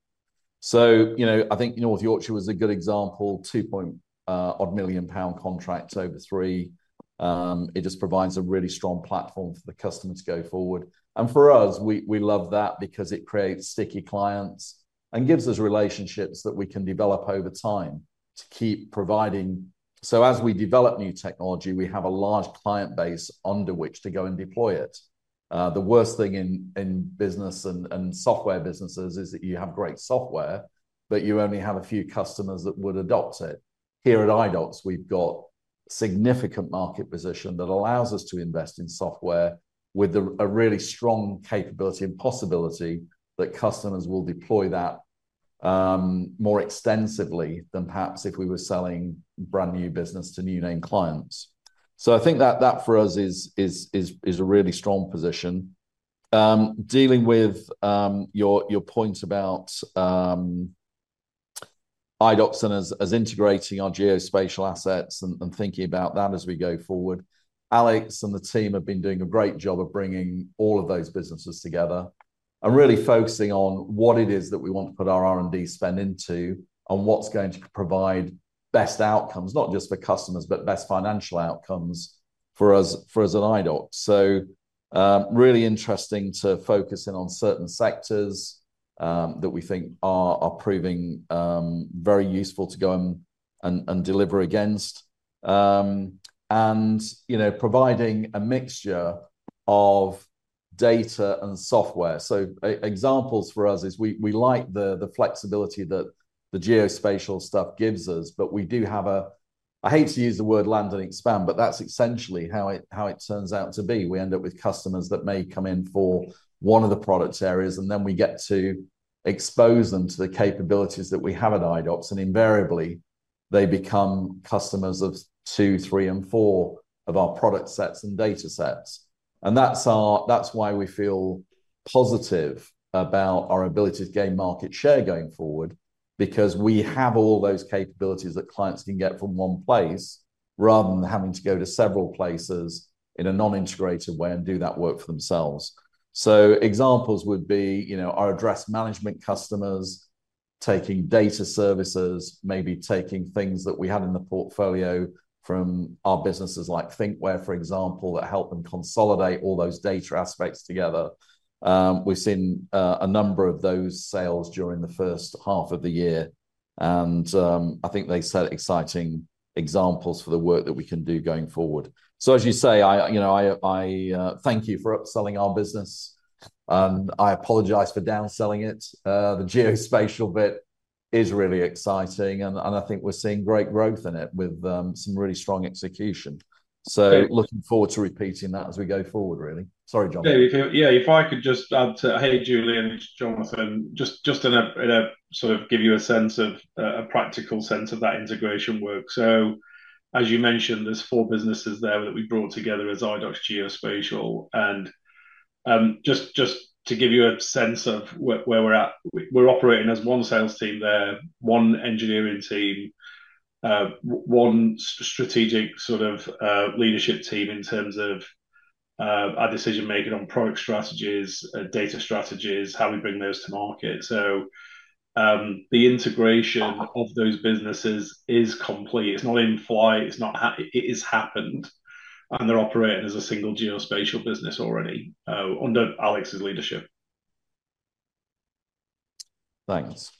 I think North Yorkshire was a good example, 2-million pound contract over three. It just provides a really strong platform for the customer to go forward. For us, we love that because it creates sticky clients and gives us relationships that we can develop over time to keep providing. As we develop new technology, we have a large client base under which to go and deploy it. The worst thing in business and software businesses is that you have great software, but you only have a few customers that would adopt it. Here at Idox, we've got a significant market position that allows us to invest in software with a really strong capability and possibility that customers will deploy that more extensively than perhaps if we were selling brand new business to new name clients. I think that for us is a really strong position. Dealing with your point about Idox and as integrating our geospatial assets and thinking about that as we go forward, Alex and the team have been doing a great job of bringing all of those businesses together and really focusing on what it is that we want to put our R&D spend into and what's going to provide best outcomes, not just for customers, but best financial outcomes for us as an Idox. Really interesting to focus in on certain sectors that we think are proving very useful to go and deliver against and providing a mixture of data and software. Examples for us is we like the flexibility that the geospatial stuff gives us, but we do have a—I hate to use the word land and expand, but that's essentially how it turns out to be. We end up with customers that may come in for one of the product areas, and then we get to expose them to the capabilities that we have at Idox, and invariably, they become customers of two, three, and four of our product sets and data sets. That is why we feel positive about our ability to gain market share going forward because we have all those capabilities that clients can get from one place rather than having to go to several places in a non-integrated way and do that work for themselves. Examples would be our address management customers taking data services, maybe taking things that we had in the portfolio from our businesses like ThinkWhere, for example, that help them consolidate all those data aspects together. We've seen a number of those sales during the first half of the year, and I think they set exciting examples for the work that we can do going forward. As you say, I thank you for upselling our business, and I apologize for downselling it. The geospatial bit is really exciting, and I think we're seeing great growth in it with some really strong execution. Looking forward to repeating that as we go forward, really. Sorry, Jonathan. Yeah, if I could just add to, hey, Julian, it's Jonathan, just to give you a sense of a practical sense of that integration work. As you mentioned, there are four businesses there that we brought together as Idox geospatial. Just to give you a sense of where we're at, we're operating as one sales team there, one engineering team, one strategic sort of leadership team in terms of our decision-making on product strategies, data strategies, how we bring those to market. The integration of those businesses is complete. It's not in flight. It has happened, and they're operating as a single geospatial business already under Alex's leadership. Thanks.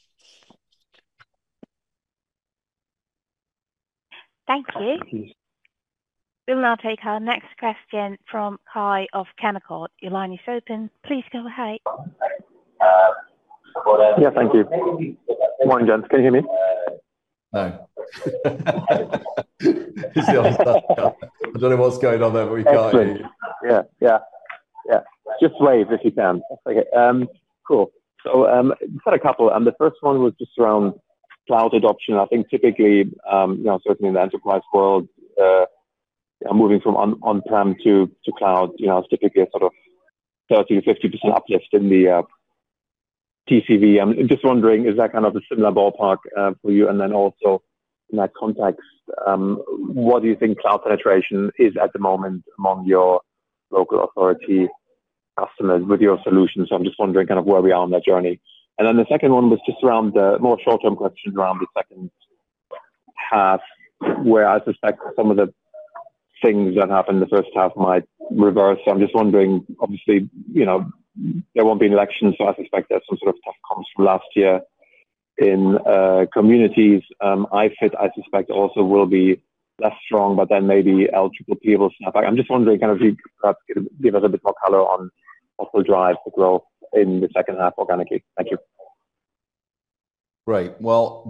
Thank you. We'll now take our next question from Kai of Canaccord. Your line is open. Please go ahead. Yeah, thank you. Morning, Jonathan. Can you hear me? No. I don't know what's going on there, but we can't hear you. Yeah, yeah. Just wave if you can. Okay. Cool. We've had a couple. The first one was just around cloud adoption. I think typically, certainly in the enterprise world, moving from on-prem to cloud is typically a sort of 30%-50% uplift in the TCV. I'm just wondering, is that kind of a similar ballpark for you? In that context, what do you think cloud penetration is at the moment among your local authority customers with your solutions? I'm just wondering kind of where we are on that journey. The second one was just around the more short-term questions around the second half, where I suspect some of the things that happened in the first half might reverse. I'm just wondering, obviously, there won't be an election, so I suspect there's some sort of tough comes from last year in communities. iFIT, I suspect, also will be less strong, but then maybe LPPP will snap back. I'm just wondering kind of if you could perhaps give us a bit more color on what will drive the growth in the second half organically. Thank you. Right.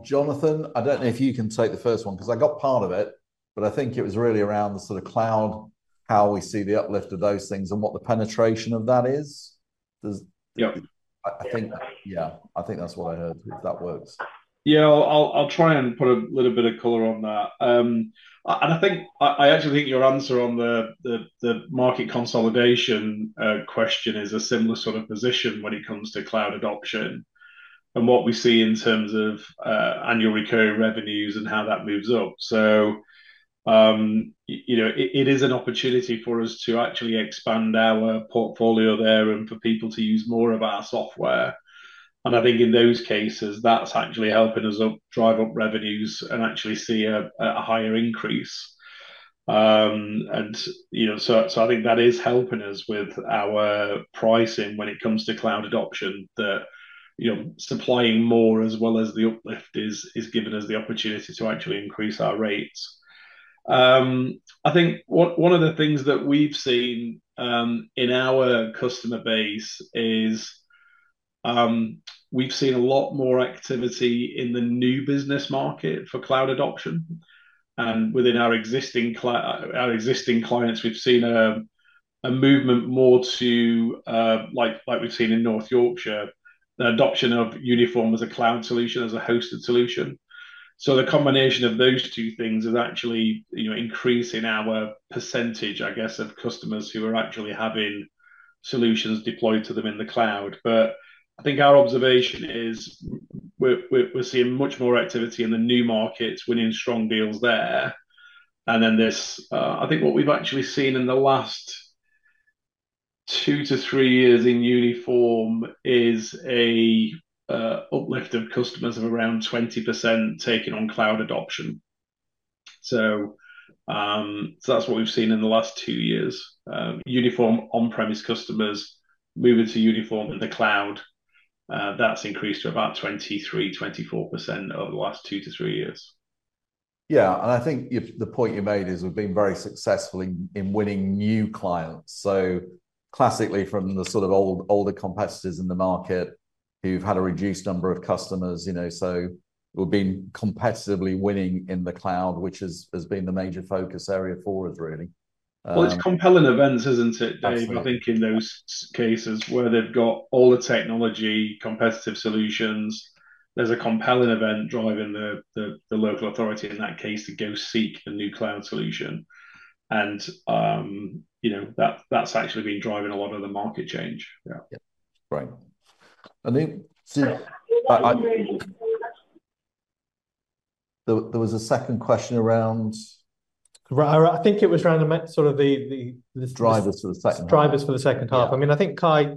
Jonathan, I do not know if you can take the first one because I got part of it, but I think it was really around the sort of cloud, how we see the uplift of those things and what the penetration of that is. I think, yeah, I think that is what I heard, if that works. Yeah, I will try and put a little bit of color on that. I actually think your answer on the market consolidation question is a similar sort of position when it comes to cloud adoption and what we see in terms of annual recurring revenues and how that moves up. It is an opportunity for us to actually expand our portfolio there and for people to use more of our software. I think in those cases, that is actually helping us drive up revenues and actually see a higher increase. I think that is helping us with our pricing when it comes to cloud adoption, that supplying more as well as the uplift is giving us the opportunity to actually increase our rates. I think one of the things that we have seen in our customer base is we have seen a lot more activity in the new business market for cloud adoption. Within our existing clients, we have seen a movement more to, like we have seen in North Yorkshire, the adoption of Uniform as a cloud solution as a hosted solution. The combination of those two things has actually increased in our percentage, I guess, of customers who are actually having solutions deployed to them in the cloud. I think our observation is we're seeing much more activity in the new markets, winning strong deals there. I think what we've actually seen in the last two to three years in Uniform is an uplift of customers of around 20% taking on cloud adoption. That's what we've seen in the last two years. Uniform on-premise customers moving to Uniform in the cloud, that's increased to about 23%-24% over the last two to three years. Yeah. I think the point you made is we've been very successful in winning new clients. Classically, from the sort of older competitors in the market who have had a reduced number of customers, we have been competitively winning in the cloud, which has been the major focus area for us, really. With compelling events, isn't it? I think in those cases where they have got all the technology, competitive solutions, there is a compelling event driving the local authority in that case to go seek a new cloud solution. That has actually been driving a lot of the market change. Anoop? Think there was a second question around drivers for the second half. I think it was around the drivers for the second half. I mean, I think, Kai,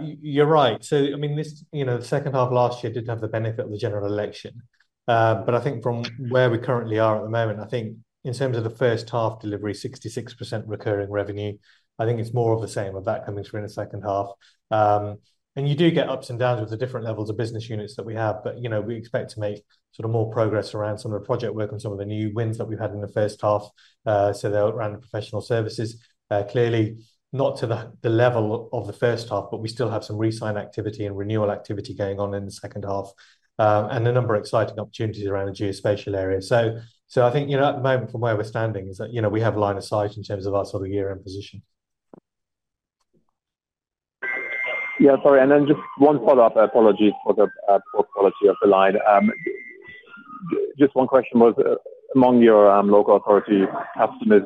you are right. The second half of last year did not have the benefit of the general election. I think from where we currently are at the moment, I think in terms of the first half delivery, 66% recurring revenue, I think it's more of the same of that coming through in the second half. You do get ups and downs with the different levels of business units that we have, but we expect to make sort of more progress around some of the project work and some of the new wins that we've had in the first half. They're around professional services, clearly not to the level of the first half, but we still have some resign activity and renewal activity going on in the second half and a number of exciting opportunities around the geospatial area. I think at the moment, from where we're standing, is that we have a line of sight in terms of our sort of year-end position. Yeah. Sorry. And then just one follow-up. Apologies for the apology of the line. Just one question was, among your local authority customers,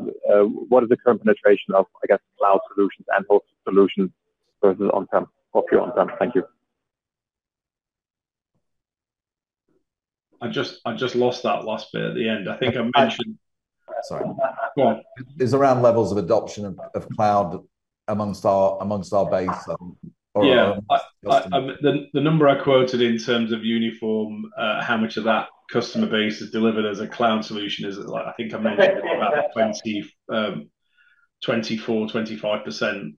what is the current penetration of, I guess, cloud solutions and hosted solutions versus on-prem? Off your on-prem. Thank you. I just lost that last bit at the end. I think I mentioned. Go on. It's around levels of adoption of cloud amongst our base of customers. Yeah. The number I quoted in terms of Uniform, how much of that customer base is delivered as a cloud solution is, I think I mentioned about 24%-25%.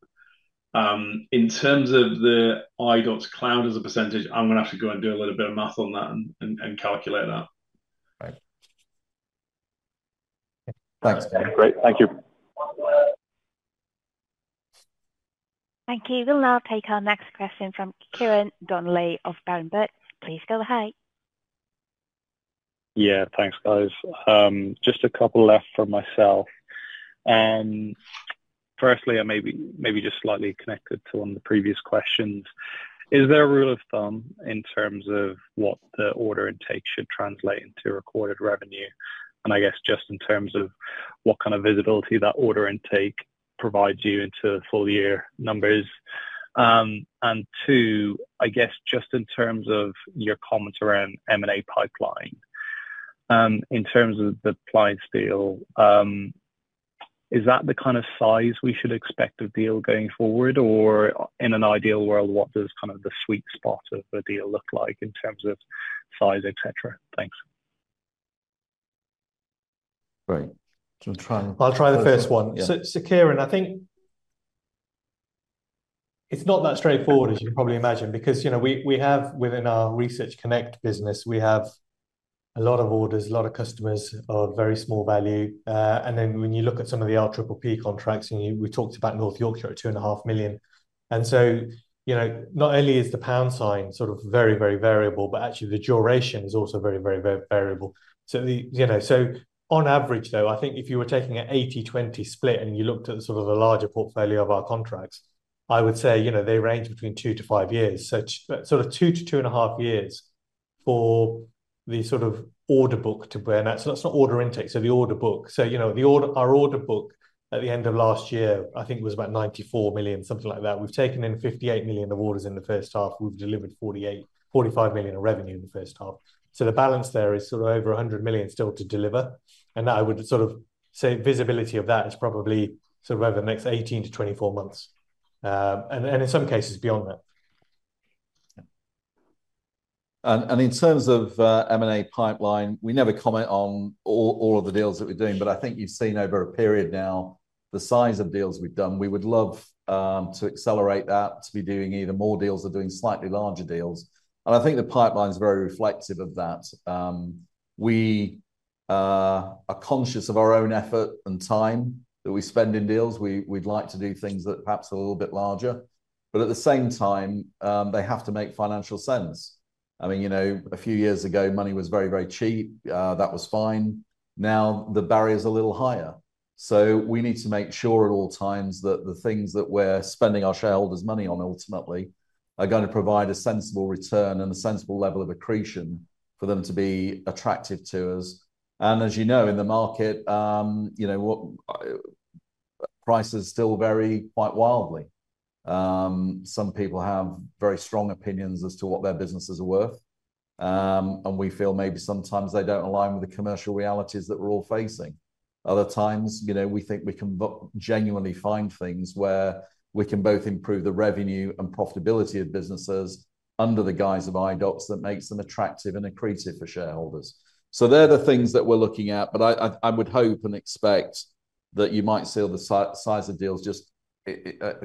In terms of the Idox cloud as a percentage, I'm going to have to go and do a little bit of math on that and calculate that. Great. Thank you. Thank you. We'll now take our next question from Ciarán Donnelly of Berenberg. Please go ahead. Yeah. Thanks, guys. Just a couple left for myself. Firstly, and maybe just slightly connected to one of the previous questions, is there a rule of thumb in terms of what the order intake should translate into recorded revenue? I guess just in terms of what kind of visibility that order intake provides you into full-year numbers. Two, I guess just in terms of your comments around M&A pipeline, in terms of the Plianz deal, is that the kind of size we should expect a deal going forward? Or in an ideal world, what does kind of the sweet spot of a deal look like in terms of size, etc.? Thanks. Right. I'll try the first one. Ciarán, I think it's not that straightforward, as you can probably imagine, because within our ResearchConnect business, we have a lot of orders, a lot of customers of very small value. Then when you look at some of the LPPP contracts, we talked about North Yorkshire, 2.5 million. Not only is the pound sign sort of very, very variable, but actually the duration is also very, very variable. On average, though, I think if you were taking an 80/20 split and you looked at the larger portfolio of our contracts, I would say they range between two-five years, sort of two to two-and-a-half years for the sort of order book to be. That's not order intake, so the order book. Our order book at the end of last year, I think, was about 94 million, something like that. We've taken in 58 million of orders in the first half. We've delivered 45 million of revenue in the first half. The balance there is sort of over 100 million still to deliver. I would sort of say visibility of that is probably sort of over the next 18-24 months, and in some cases beyond that. In terms of M&A pipeline, we never comment on all of the deals that we're doing, but I think you've seen over a period now the size of deals we've done. We would love to accelerate that, to be doing either more deals or doing slightly larger deals. I think the pipeline is very reflective of that. We are conscious of our own effort and time that we spend in deals. We'd like to do things that perhaps are a little bit larger, but at the same time, they have to make financial sense. I mean, a few years ago, money was very, very cheap. That was fine. Now the barrier is a little higher. We need to make sure at all times that the things that we're spending our shareholders' money on ultimately are going to provide a sensible return and a sensible level of accretion for them to be attractive to us. As you know, in the market, prices still vary quite wildly. Some people have very strong opinions as to what their businesses are worth, and we feel maybe sometimes they do not align with the commercial realities that we're all facing. Other times, we think we can genuinely find things where we can both improve the revenue and profitability of businesses under the guise of Idox that makes them attractive and accretive for shareholders. They are the things that we are looking at, but I would hope and expect that you might see the size of deals just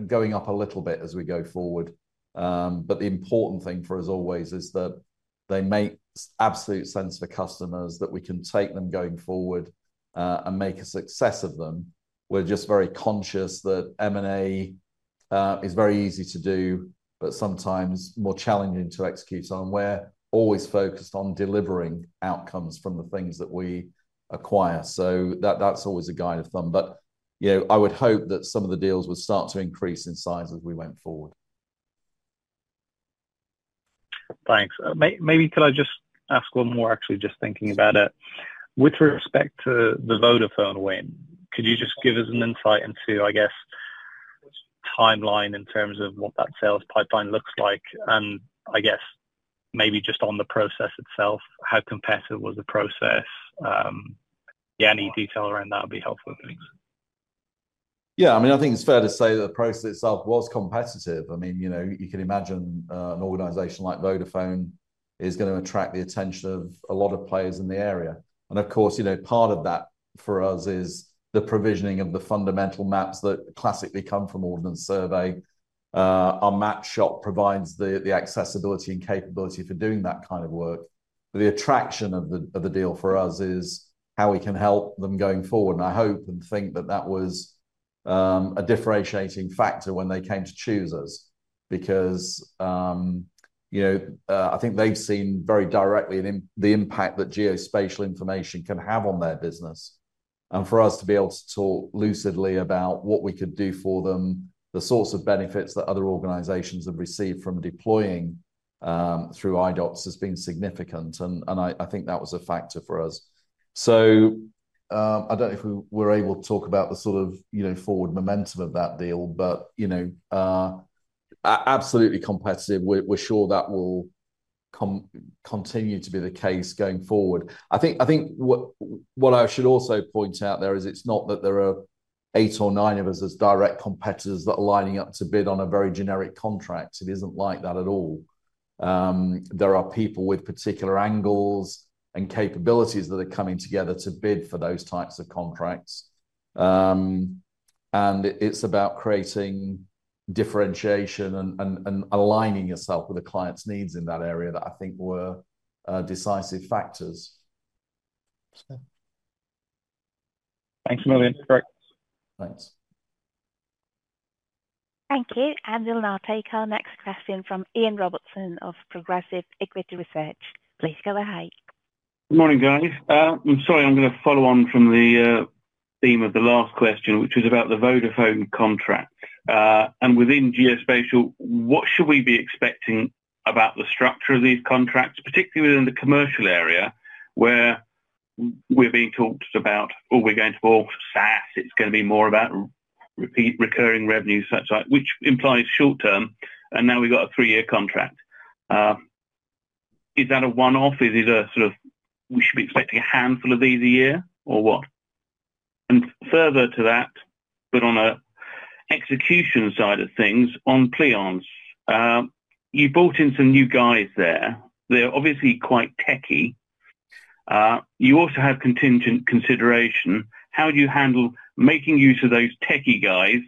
going up a little bit as we go forward. The important thing for us always is that they make absolute sense for customers, that we can take them going forward and make a success of them. We are just very conscious that M&A is very easy to do, but sometimes more challenging to execute. We are always focused on delivering outcomes from the things that we acquire. That is always a guide of thumb. I would hope that some of the deals would start to increase in size as we went forward. Thanks. Maybe could I just ask one more, actually, just thinking about it? With respect to the Vodafone win, could you just give us an insight into, I guess, timeline in terms of what that sales pipeline looks like? And I guess maybe just on the process itself, how competitive was the process? Yeah, any detail around that would be helpful, thanks. Yeah. I mean, I think it's fair to say that the process itself was competitive. I mean, you can imagine an organization like Vodafone is going to attract the attention of a lot of players in the area. Of course, part of that for us is the provisioning of the fundamental maps that classically come from Ordnance Survey. Our MapShop provides the accessibility and capability for doing that kind of work. The attraction of the deal for us is how we can help them going forward. I hope and think that that was a differentiating factor when they came to choose us because I think they've seen very directly the impact that geospatial information can have on their business. For us to be able to talk lucidly about what we could do for them, the sorts of benefits that other organizations have received from deploying through Idox has been significant. I think that was a factor for us. I do not know if we were able to talk about the sort of forward momentum of that deal, but absolutely competitive. We're sure that will continue to be the case going forward. I think what I should also point out there is it's not that there are eight or nine of us as direct competitors that are lining up to bid on a very generic contract. It is not like that at all. There are people with particular angles and capabilities that are coming together to bid for those types of contracts. It is about creating differentiation and aligning yourself with the client's needs in that area that I think were decisive factors. Thanks a million. Thanks. Thank you. We will now take our next question from Ian Robertson of Progressive Equity Research. Please go ahead. Good morning, guys. I'm sorry. I'm going to follow on from the theme of the last question, which was about the Vodafone contract. Within geospatial, what should we be expecting about the structure of these contracts, particularly within the commercial area where being talked about, "Oh, we're going to more SaaS. It's going to be more about recurring revenue," which implies short term, and now we've got a three-year contract. Is that a one-off? Is it a sort of, "We should be expecting a handful of these a year," or what? Further to that, but on an execution side of things, on Plianz, you brought in some new guys there. They're obviously quite techie. You also have contingent consideration. How do you handle making use of those techie guys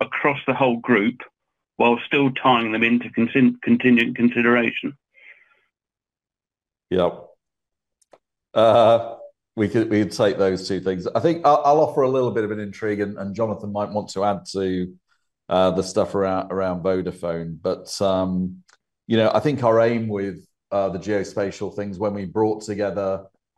across the whole group while still tying them into contingent consideration? Yeah. We can take those two things. I think I'll offer a little bit of an intrigue, and Jonathan might want to add to the stuff around Vodafone. I think our aim with the geospatial things, when we brought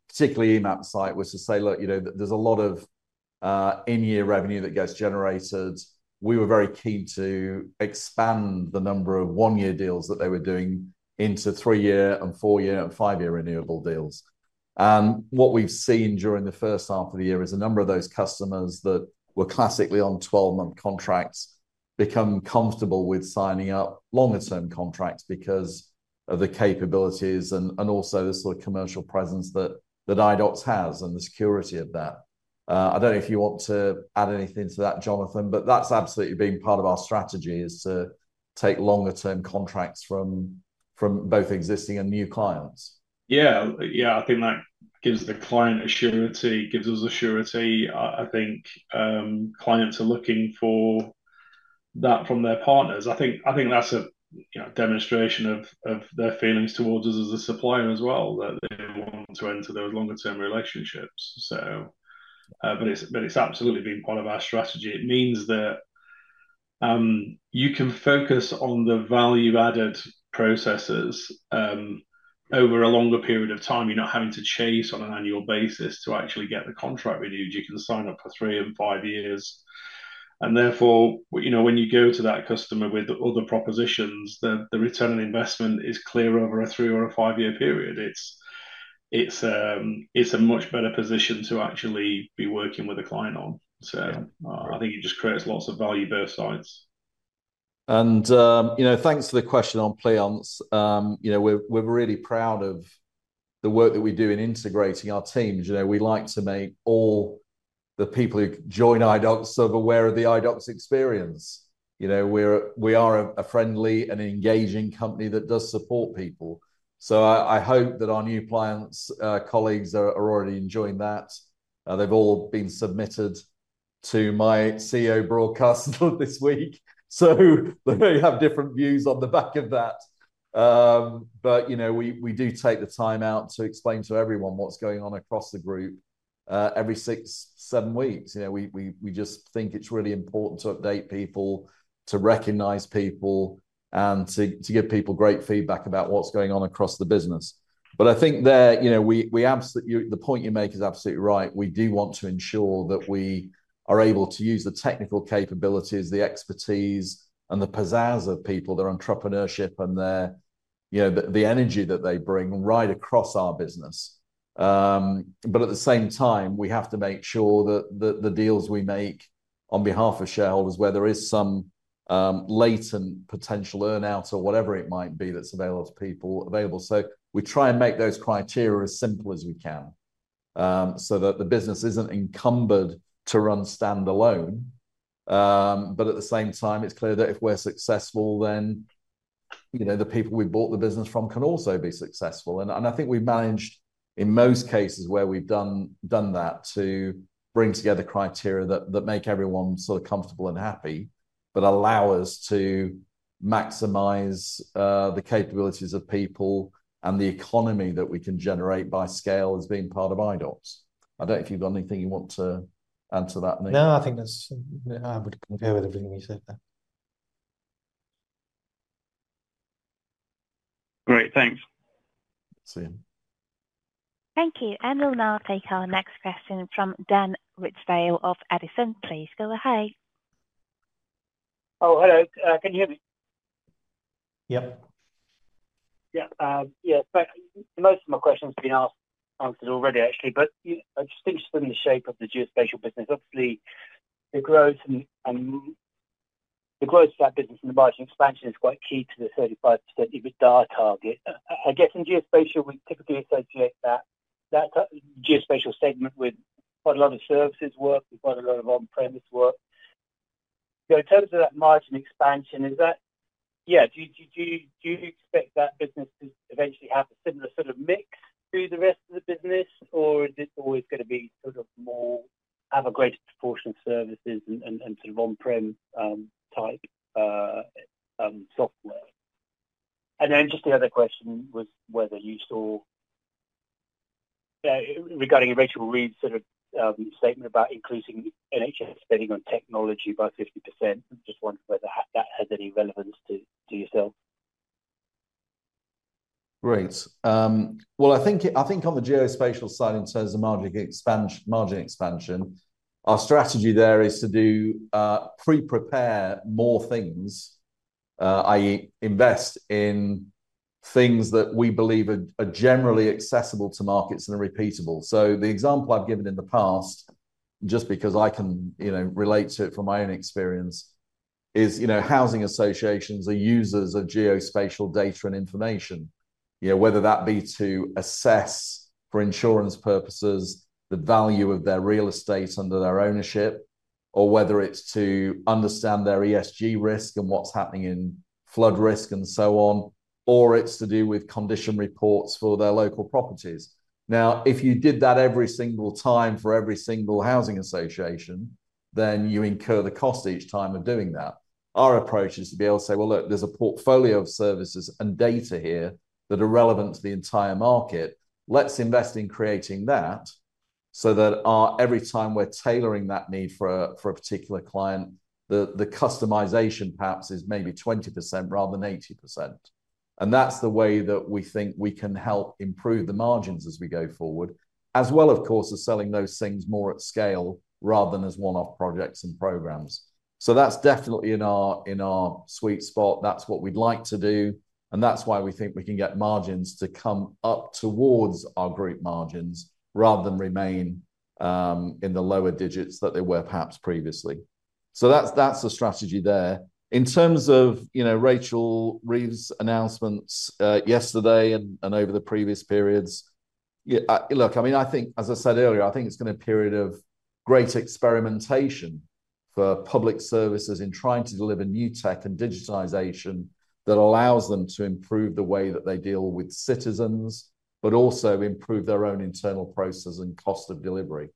together, particularly Emapsite, was to say, "Look, there's a lot of in-year revenue that gets generated." We were very keen to expand the number of one-year deals that they were doing into three-year and four-year and five-year renewable deals. What we've seen during the first half of the year is a number of those customers that were classically on 12-month contracts become comfortable with signing up longer-term contracts because of the capabilities and also the sort of commercial presence that Idox has and the security of that. I do not know if you want to add anything to that, Jonathan, but that's absolutely been part of our strategy is to take longer-term contracts from both existing and new clients. Yeah. I think that gives the client assurancy, gives us assurity. I think clients are looking for that from their partners. I think that's a demonstration of their feelings towards us as a supplier as well, that they want to enter those longer-term relationships. But it's absolutely been part of our strategy. It means that you can focus on the value-added processes over a longer period of time. You're not having to chase on an annual basis to actually get the contract renewed. You can sign up for three and five years. Therefore, when you go to that customer with other propositions, the return on investment is clearer over a three- or a five-year period. It's a much better position to actually be working with a client on. I think it just creates lots of value both sides. Thanks for the question on Plianz. We're really proud of the work that we do in integrating our teams. We like to make all the people who join Idox sort of aware of the Idox experience. We are a friendly and engaging company that does support people. I hope that our new clients, colleagues, are already enjoying that. They've all been submitted to my CEO broadcast this week. They have different views on the back of that. We do take the time out to explain to everyone what's going on across the group every six, seven weeks. We just think it's really important to update people, to recognize people, and to give people great feedback about what's going on across the business. I think the point you make is absolutely right. We do want to ensure that we are able to use the technical capabilities, the expertise, and the pizzazz of people, their entrepreneurship, and the energy that they bring right across our business. At the same time, we have to make sure that the deals we make on behalf of shareholders, where there is some latent potential earnout or whatever it might be that's available to people, are available. We try and make those criteria as simple as we can so that the business isn't encumbered to run standalone. At the same time, it's clear that if we're successful, then the people we bought the business from can also be successful. I think we've managed, in most cases where we've done that, to bring together criteria that make everyone sort of comfortable and happy, but allow us to maximize the capabilities of people and the economy that we can generate by scale as being part of Idox. I don't know if you've got anything you want to add to that. No, I think that's—I would agree with everything you said there. Great. Thanks. See you. Thank you. We'll now take our next question from Dan Ridsdale of Edison. Please go ahead. Oh, hello. Can you hear me? Most of my questions have been answered already, actually. I am just interested in the shape of the geospatial business. Obviously, the growth of that business and the margin expansion is quite key to the 35% EBITDA target. I guess in geospatial, we typically associate that geospatial segment with quite a lot of services work, with quite a lot of on-premise work. In terms of that margin expansion, is that—yeah. Do you expect that business to eventually have a similar sort of mix to the rest of the business, or is it always going to be sort of more, have a greater proportion of services and sort of on-prem type software? The other question was whether you saw, regarding Rachel Reeves' sort of statement about increasing NHS spending on technology by 50%. I am just wondering whether that has any relevance to yourself. Great. I think on the geospatial side in terms of margin expansion, our strategy there is to pre-prepare more things, i.e., invest in things that we believe are generally accessible to markets and are repeatable. The example I have given in the past, just because I can relate to it from my own experience, is housing associations are users of geospatial data and information, whether that be to assess for insurance purposes, the value of their real estate under their ownership, or whether it is to understand their ESG risk and what is happening in flood risk and so on, or it is to do with condition reports for their local properties. If you did that every single time for every single housing association, then you incur the cost each time of doing that. Our approach is to be able to say, "Look, there's a portfolio of services and data here that are relevant to the entire market. Let's invest in creating that so that every time we're tailoring that need for a particular client, the customization perhaps is maybe 20% rather than 80%." That is the way that we think we can help improve the margins as we go forward, as well, of course, as selling those things more at scale rather than as one-off projects and programs. That is definitely in our sweet spot. That is what we'd like to do. That is why we think we can get margins to come up towards our group margins rather than remain in the lower digits that they were perhaps previously. That is the strategy there. In terms of Rachel Reeves' announcements yesterday and over the previous periods, look, I mean, I think, as I said earlier, I think it's been a period of great experimentation for public services in trying to deliver new tech and digitization that allows them to improve the way that they deal with citizens, but also improve their own internal processes and cost of delivery.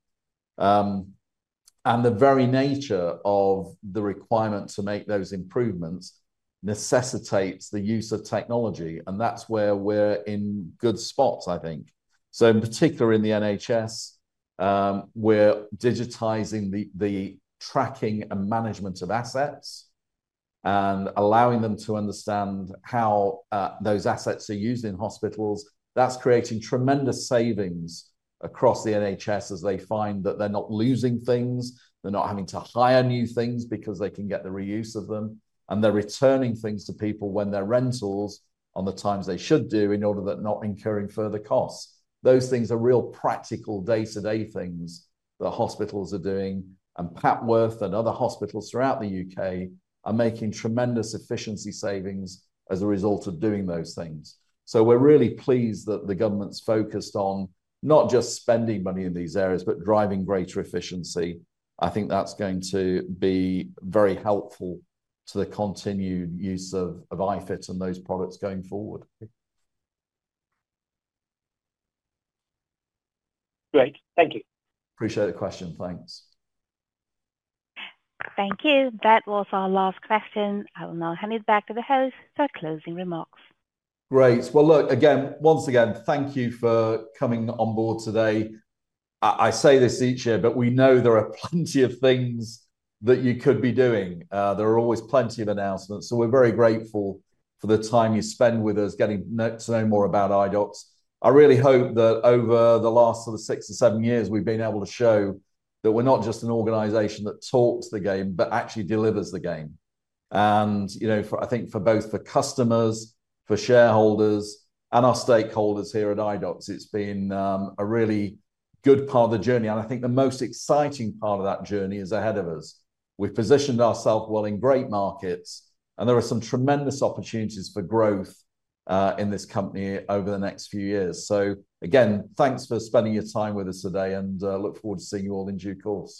The very nature of the requirement to make those improvements necessitates the use of technology. That's where we're in good spots, I think. In particular, in the NHS, we're digitizing the tracking and management of assets and allowing them to understand how those assets are used in hospitals. That's creating tremendous savings across the NHS as they find that they're not losing things. They're not having to hire new things because they can get the reuse of them. They are returning things to people when they are rentals on the times they should do in order that they are not incurring further costs. Those things are real practical day-to-day things that hospitals are doing. Papworth and other hospitals throughout the U.K. are making tremendous efficiency savings as a result of doing those things. We are really pleased that the government is focused on not just spending money in these areas, but driving greater efficiency. I think that is going to be very helpful to the continued use of iFIT and those products going forward. Great. Thank you. Appreciate the question. Thanks. Thank you. That was our last question. I will now hand it back to the host for closing remarks. Great. Once again, thank you for coming on board today. I say this each year, but we know there are plenty of things that you could be doing. There are always plenty of announcements. We are very grateful for the time you spend with us getting to know more about Idox. I really hope that over the last sort of six or seven years, we have been able to show that we are not just an organization that talks the game, but actually delivers the game. I think for both the customers, for shareholders, and our stakeholders here at Idox, it has been a really good part of the journey. I think the most exciting part of that journey is ahead of us. We have positioned ourselves well in great markets, and there are some tremendous opportunities for growth in this company over the next few years. Again, thanks for spending your time with us today, and look forward to seeing you all in due course.